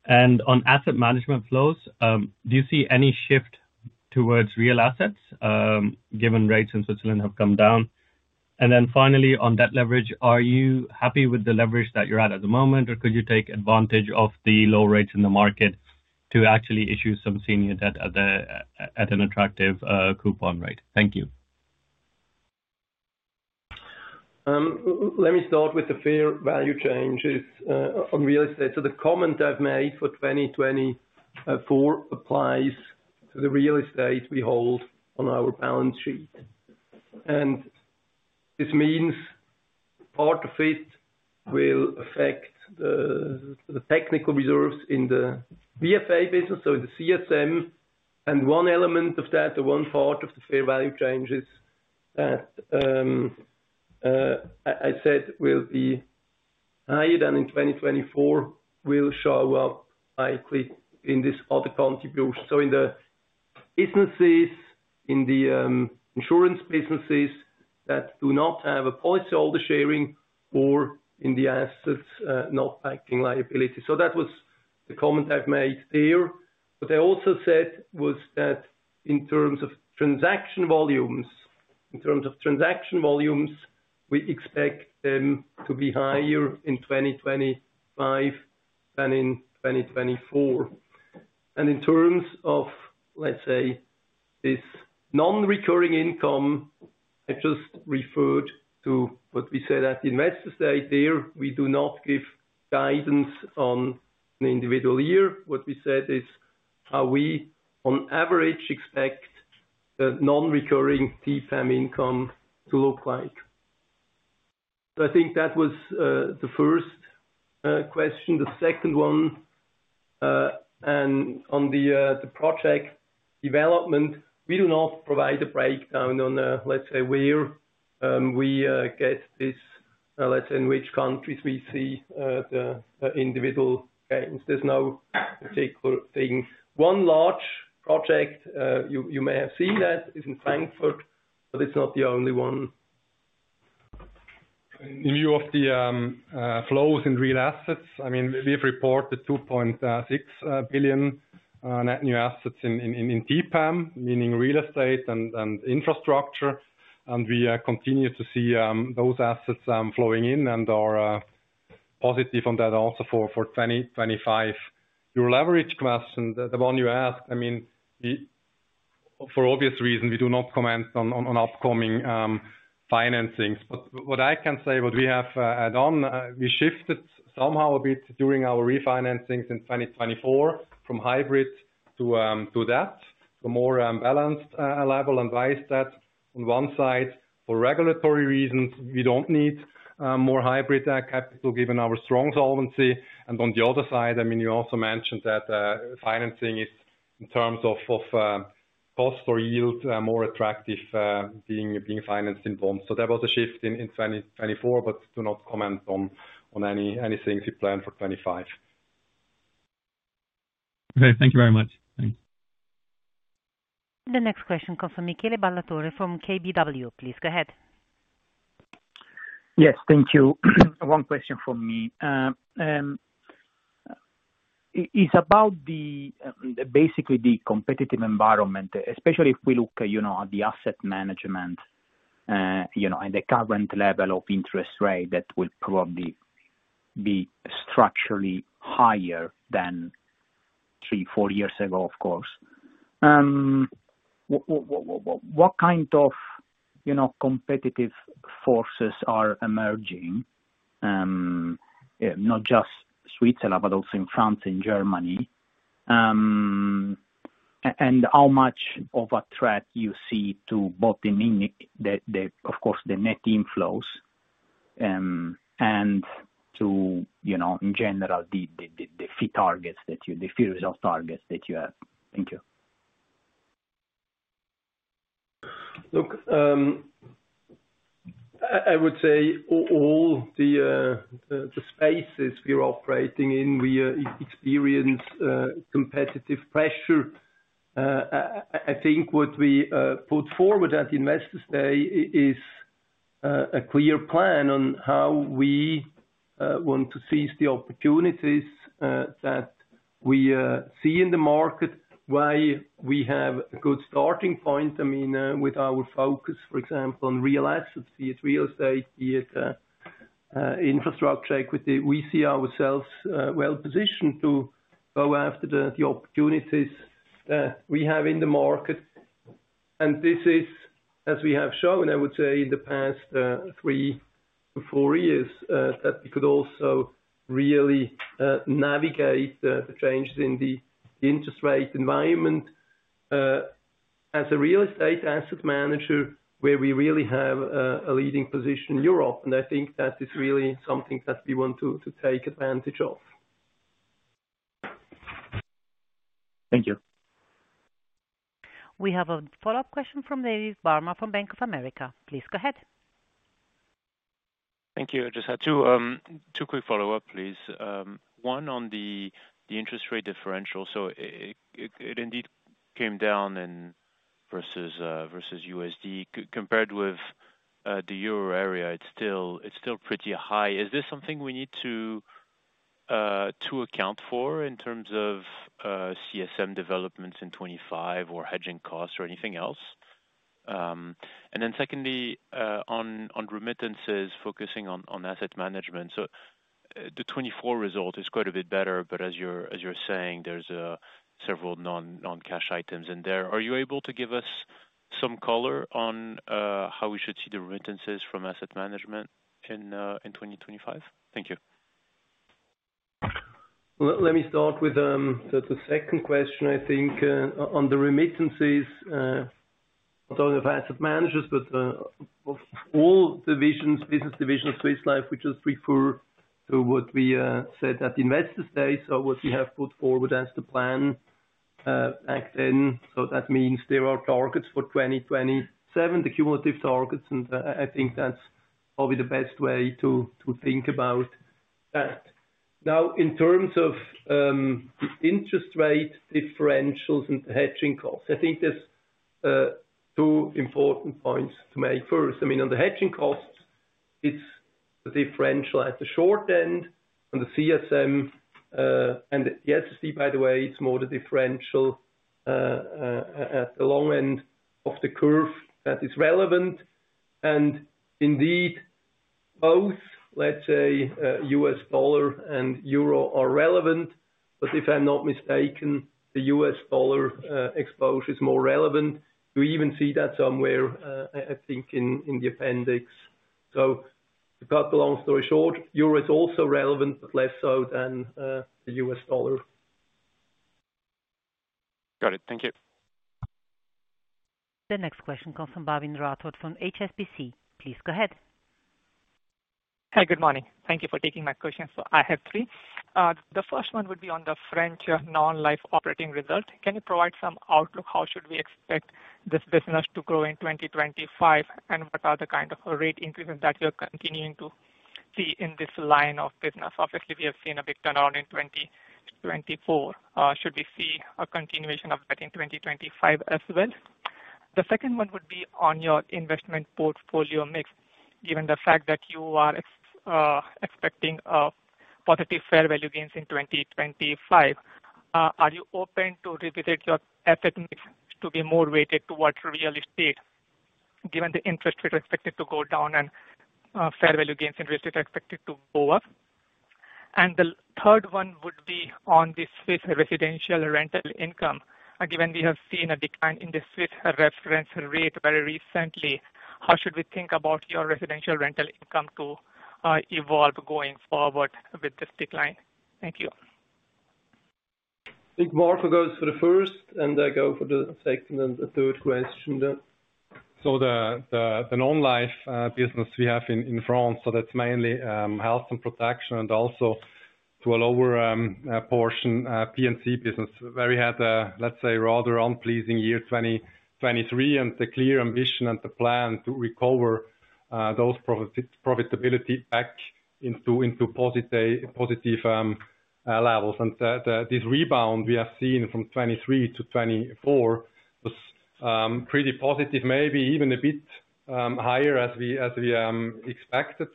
Speaker 8: On asset management flows, do you see any shift towards real assets given rates in Switzerland have come down? Finally, on debt leverage, are you happy with the leverage that you're at at the moment, or could you take advantage of the low rates in the market to actually issue some senior debt at an attractive coupon rate? Thank you.
Speaker 2: Let me start with the fair value changes on real estate. The comment I've made for 2024 applies to the real estate we hold on our balance sheet. This means part of it will affect the technical reserves in the BFA business, so in the CSM. One element of that, the one part of the fair value changes that I said will be higher than in 2024, will show up likely in this other contribution. In the businesses, in the insurance businesses that do not have a policyholder sharing or in the assets not backing liability. That was the comment I made there. What I also said was that in terms of transaction volumes, in terms of transaction volumes, we expect them to be higher in 2025 than in 2024. In terms of, let's say, this non-recurring income, I just referred to what we said at the investor day there. We do not give guidance on an individual year. What we said is how we, on average, expect the non-recurring TPAM income to look like. I think that was the first question. The second one, and on the project development, we do not provide a breakdown on, let's say, where we get this, let's say, in which countries we see the individual gains. There is no particular thing. One large project you may have seen that is in Frankfurt, but it is not the only one.
Speaker 3: In view of the flows in real assets, I mean, we have reported 2.6 billion net new assets in TPAM, meaning real estate and infrastructure. We continue to see those assets flowing in and are positive on that also for 2025. Your leverage question, the one you asked, I mean, for obvious reasons, we do not comment on upcoming financings. What I can say, what we have done, we shifted somehow a bit during our refinancings in 2024 from hybrid to that, to a more balanced level and vice that. On one side, for regulatory reasons, we do not need more hybrid capital given our strong solvency. On the other side, I mean, you also mentioned that financing is, in terms of cost or yield, more attractive being financed in bonds. There was a shift in 2024, but do not comment on anything we plan for 2025.
Speaker 8: Okay. Thank you very much.
Speaker 3: Thanks.
Speaker 1: The next question comes from Michele Ballatore from KBW. Please go ahead.
Speaker 9: Yes. Thank you. One question for me. It is about basically the competitive environment, especially if we look at the asset management and the current level of interest rate that will probably be structurally higher than three, four years ago, of course. What kind of competitive forces are emerging, not just Switzerland, but also in France, in Germany? How much of a threat do you see to both, of course, the net inflows and to, in general, the fee targets that you, the fee result targets that you have? Thank you.
Speaker 2: Look, I would say all the spaces we're operating in, we experience competitive pressure. I think what we put forward at the investor's day is a clear plan on how we want to seize the opportunities that we see in the market, why we have a good starting point. I mean, with our focus, for example, on real assets, be it real estate, be it infrastructure equity, we see ourselves well positioned to go after the opportunities that we have in the market. This is, as we have shown, I would say, in the past three to four years, that we could also really navigate the changes in the interest rate environment as a real estate asset manager where we really have a leading position in Europe. I think that is really something that we want to take advantage of.
Speaker 9: Thank you.
Speaker 1: We have a follow-up question from David Barma from Bank of America. Please go ahead.
Speaker 4: Thank you. I just had two quick follow-ups, please. One on the interest rate differential. It indeed came down in. Versus USD. Compared with the euro area, it's still pretty high. Is this something we need to account for in terms of CSM developments in 2025 or hedging costs or anything else? Secondly, on remittances, focusing on asset management. The 2024 result is quite a bit better, but as you're saying, there's several non-cash items in there. Are you able to give us some color on how we should see the remittances from asset management in 2025? Thank you.
Speaker 2: Let me start with the second question, I think, on the remittances, not only of asset managers, but of all divisions, business divisions of Swiss Life. We just refer to what we said at the investor's day. What we have put forward as the plan back then. That means there are targets for 2027, the cumulative targets. I think that's probably the best way to think about that. Now, in terms of interest rate differentials and the hedging costs, I think there's two important points to make. First, I mean, on the hedging costs, it's the differential at the short end on the CSM. The SST, by the way, it's more the differential at the long end of the curve that is relevant. Indeed, both, let's say, U.S. dollar and EUR are relevant. If I'm not mistaken, the U.S. dollar exposure is more relevant. You even see that somewhere, I think, in the appendix. To cut the long story short, euro is also relevant, but less so than the U.S. dollar.
Speaker 4: Got it. Thank you.
Speaker 1: The next question comes from Bhavin Rathod from HSBC. Please go ahead.
Speaker 10: Hi. Good morning. Thank you for taking my question. I have three. The first one would be on the French non-life operating result. Can you provide some outlook? How should we expect this business to grow in 2025? What are the kind of rate increases that we are continuing to see in this line of business? Obviously, we have seen a big turnaround in 2024. Should we see a continuation of that in 2025 as well? The second one would be on your investment portfolio mix. Given the fact that you are expecting positive fair value gains in 2025, are you open to revisit your asset mix to be more weighted towards real estate, given the interest rate expected to go down and fair value gains in real estate expected to go up? The third one would be on the Swiss residential rental income. Given we have seen a decline in the Swiss reference rate very recently, how should we think about your residential rental income to evolve going forward with this decline? Thank you.
Speaker 2: Thank you both for the first, and I go for the second and the third question. The non-life business we have in France, that's mainly health and protection and also to a lower portion P&C business. We had, let's say, rather unpleasing year 2023 and the clear ambition and the plan to recover those profitability back into positive levels. This rebound we have seen from 2023 to 2024 was pretty positive, maybe even a bit higher as we expected.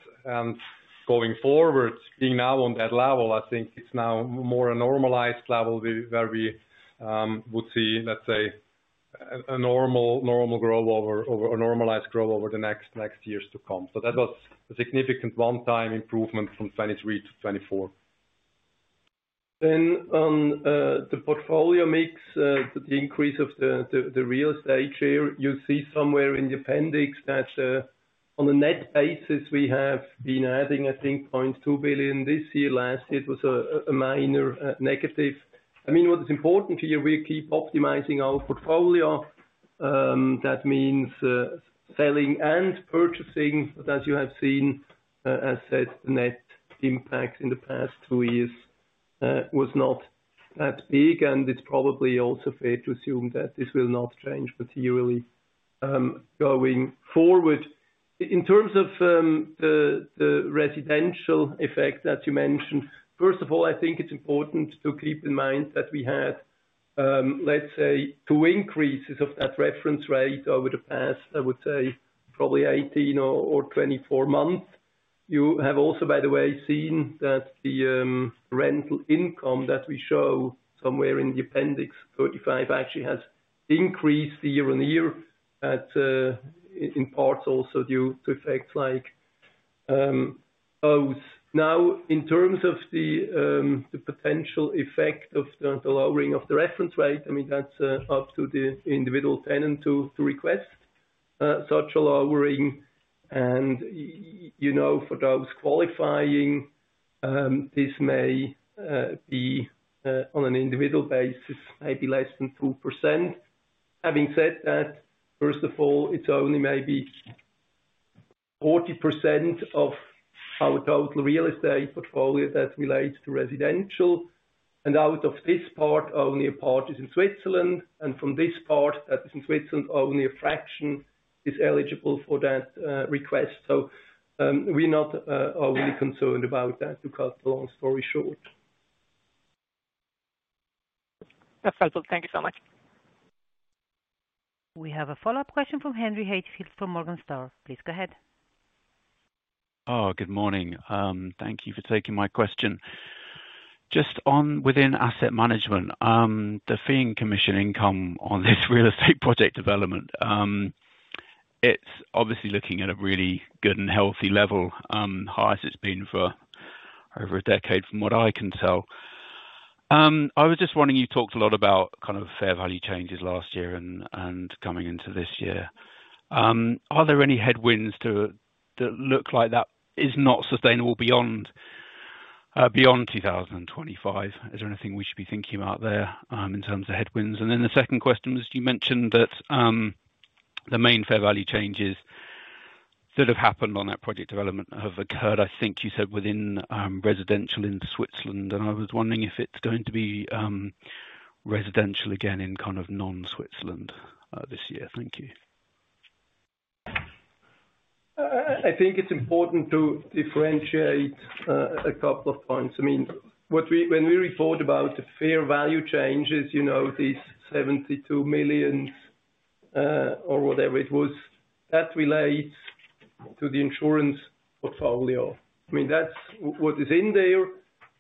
Speaker 2: Going forward, being now on that level, I think it's now more a normalized level where we would see, let's say, a normal growth or a normalized growth over the next years to come. That was a significant one-time improvement from 2023 to 2024. On the portfolio mix, the increase of the real estate share, you'll see somewhere in the appendix that on a net basis, we have been adding, I think, 0.2 billion this year. Last year, it was a minor negative. I mean, what is important here, we keep optimizing our portfolio. That means selling and purchasing. As you have seen, as said, the net impact in the past two years was not that big. It is probably also fair to assume that this will not change materially going forward. In terms of the residential effect that you mentioned, first of all, I think it is important to keep in mind that we had, let's say, two increases of that reference rate over the past, I would say, probably 18 or 24 months. You have also, by the way, seen that the rental income that we show somewhere in the appendix 35 actually has increased year on year in parts also due to effects like those. Now, in terms of the potential effect of the lowering of the reference rate, I mean, that's up to the individual tenant to request such a lowering. And for those qualifying, this may be, on an individual basis, maybe less than 2%. Having said that, first of all, it's only maybe 40% of our total real estate portfolio that relates to residential. And out of this part, only a part is in Switzerland. And from this part that is in Switzerland, only a fraction is eligible for that request. So we're not overly concerned about that, to cut the long story short.
Speaker 1: That's helpful. Thank you so much. We have a follow-up question from Henry Heathfield from Morgan Stanley. Please go ahead. Oh, good morning. Thank you for taking my question.
Speaker 11: Just within asset management, the fee and commission income on this real estate project development, it's obviously looking at a really good and healthy level, high as it's been for over a decade, from what I can tell. I was just wondering, you talked a lot about kind of fair value changes last year and coming into this year. Are there any headwinds that look like that is not sustainable beyond 2025? Is there anything we should be thinking about there in terms of headwinds? The second question was, you mentioned that the main fair value changes that have happened on that project development have occurred, I think you said, within residential in Switzerland. I was wondering if it's going to be residential again in kind of non-Switzerland this year. Thank you.
Speaker 2: I think it's important to differentiate a couple of points. I mean, when we report about the fair value changes, these 72 million or whatever it was, that relates to the insurance portfolio. I mean, that's what is in there.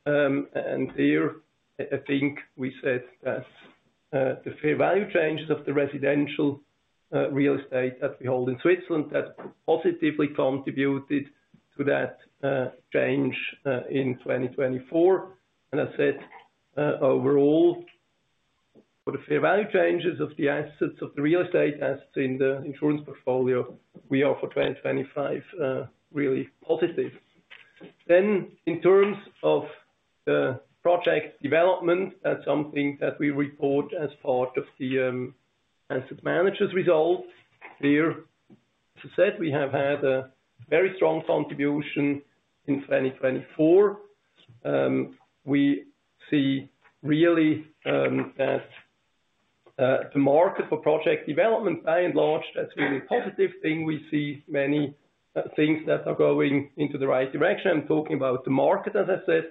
Speaker 2: I think we said that the fair value changes of the residential real estate that we hold in Switzerland positively contributed to that change in 2024. As said, overall, for the fair value changes of the assets, of the real estate assets in the insurance portfolio, we are for 2025 really positive. In terms of the project development, that is something that we report as part of the asset manager's result. There, as I said, we have had a very strong contribution in 2024. We see really that the market for project development, by and large, is really a positive thing. We see many things that are going into the right direction. I'm talking about the market, as I said.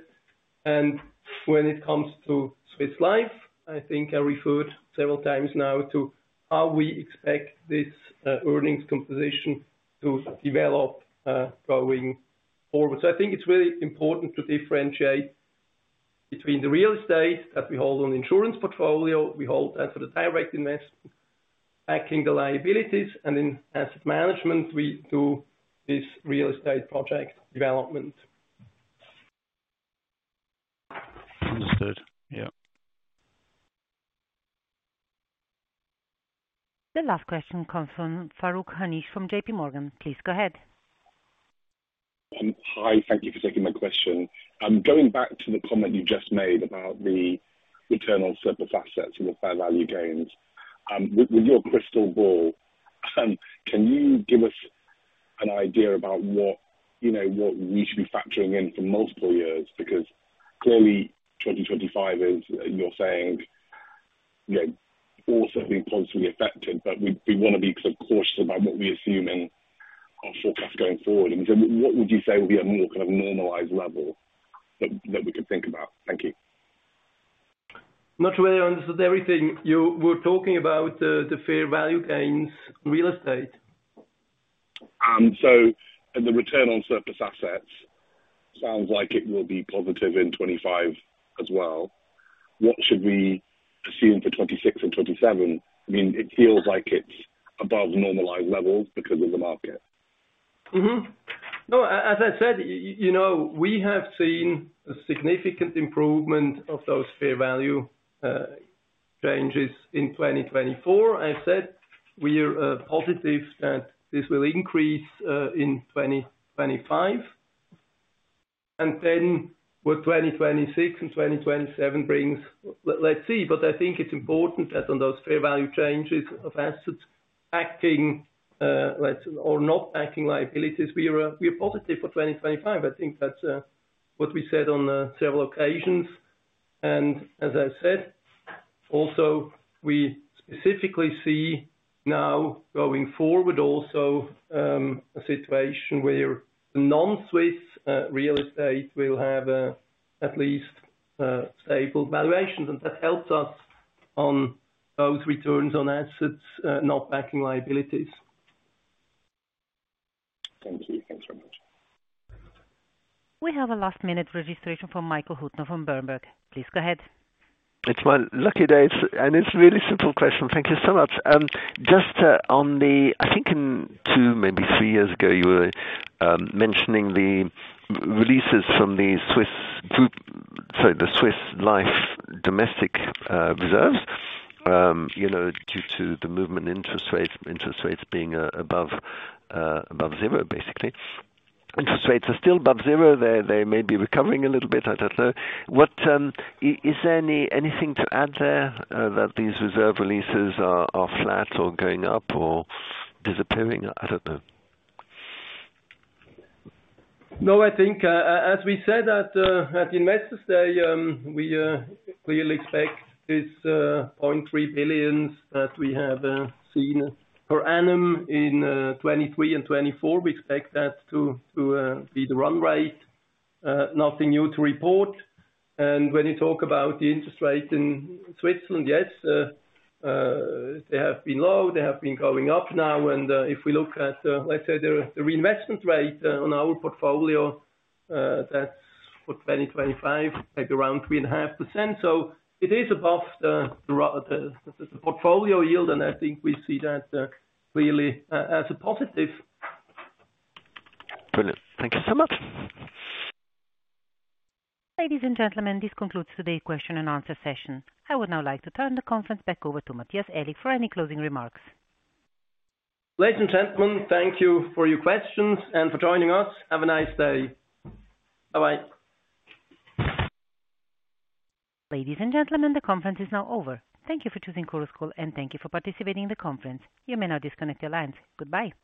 Speaker 2: When it comes to Swiss Life, I think I referred several times now to how we expect this earnings composition to develop going forward. I think it's really important to differentiate between the real estate that we hold on the insurance portfolio. We hold that for the direct investment, backing the liabilities. In asset management, we do this real estate project development.
Speaker 11: Understood.
Speaker 1: The last question comes from Farooq Hanif from JPMorgan. Please go ahead.
Speaker 5: Hi. Thank you for taking my question. Going back to the comment you just made about the return on surplus assets and the fair value gains, with your crystal ball, can you give us an idea about what we should be factoring in for multiple years? Because clearly, 2025 is, you're saying, also being positively affected, but we want to be cautious about what we assume in our forecast going forward. I mean, so what would you say would be a more kind of normalized level that we could think about? Thank you.
Speaker 2: Not where I understood everything. You were talking about the fair value gains, real estate.
Speaker 5: So the return on surplus assets sounds like it will be positive in 2025 as well. What should we assume for 2026 and 2027? I mean, it feels like it's above normalized levels because of the market.
Speaker 2: No, as I said, we have seen a significant improvement of those fair value changes in 2024. I said we are positive that this will increase in 2025. And then what 2026 and 2027 brings, let's see. I think it's important that on those fair value changes of assets, backing or not backing liabilities, we are positive for 2025. I think that's what we said on several occasions. As I said, also, we specifically see now going forward also a situation where the non-Swiss real estate will have at least stable valuations. That helps us on those returns on assets, not backing liabilities.
Speaker 1: Thank you. Thanks very much. We have a last-minute registration from Michael Huttner from Berenberg. Please go ahead.
Speaker 6: It's my lucky day. It's a really simple question. Thank you so much. Just on the, I think, in two, maybe three years ago, you were mentioning the releases from the Swiss Life Domestic Reserves due to the movement in interest rates, interest rates being above zero, basically. Interest rates are still above zero. They may be recovering a little bit. I don't know. Is there anything to add there that these reserve releases are flat or going up or disappearing? I don't know.
Speaker 2: No, I think, as we said at the investors' day, we clearly expect this 0.3 billion that we have seen per annum in 2023 and 2024. We expect that to be the run rate. Nothing new to report. When you talk about the interest rate in Switzerland, yes, they have been low. They have been going up now. If we look at, let's say, the reinvestment rate on our portfolio, that's for 2025, maybe around 3.5%. It is above the portfolio yield. I think we see that clearly as a positive.
Speaker 6: Brilliant. Thank you so much.
Speaker 1: Ladies and gentlemen, this concludes today's question and answer session. I would now like to turn the conference back over to Matthias Aellig for any closing remarks.
Speaker 3: Ladies and gentlemen, thank you for your questions and for joining us. Have a nice day. Bye-bye.
Speaker 1: Ladies and gentlemen, the conference is now over. Thank you for choosing Chorus Call, and thank you for participating in the conference. You may now disconnect your lines. Goodbye.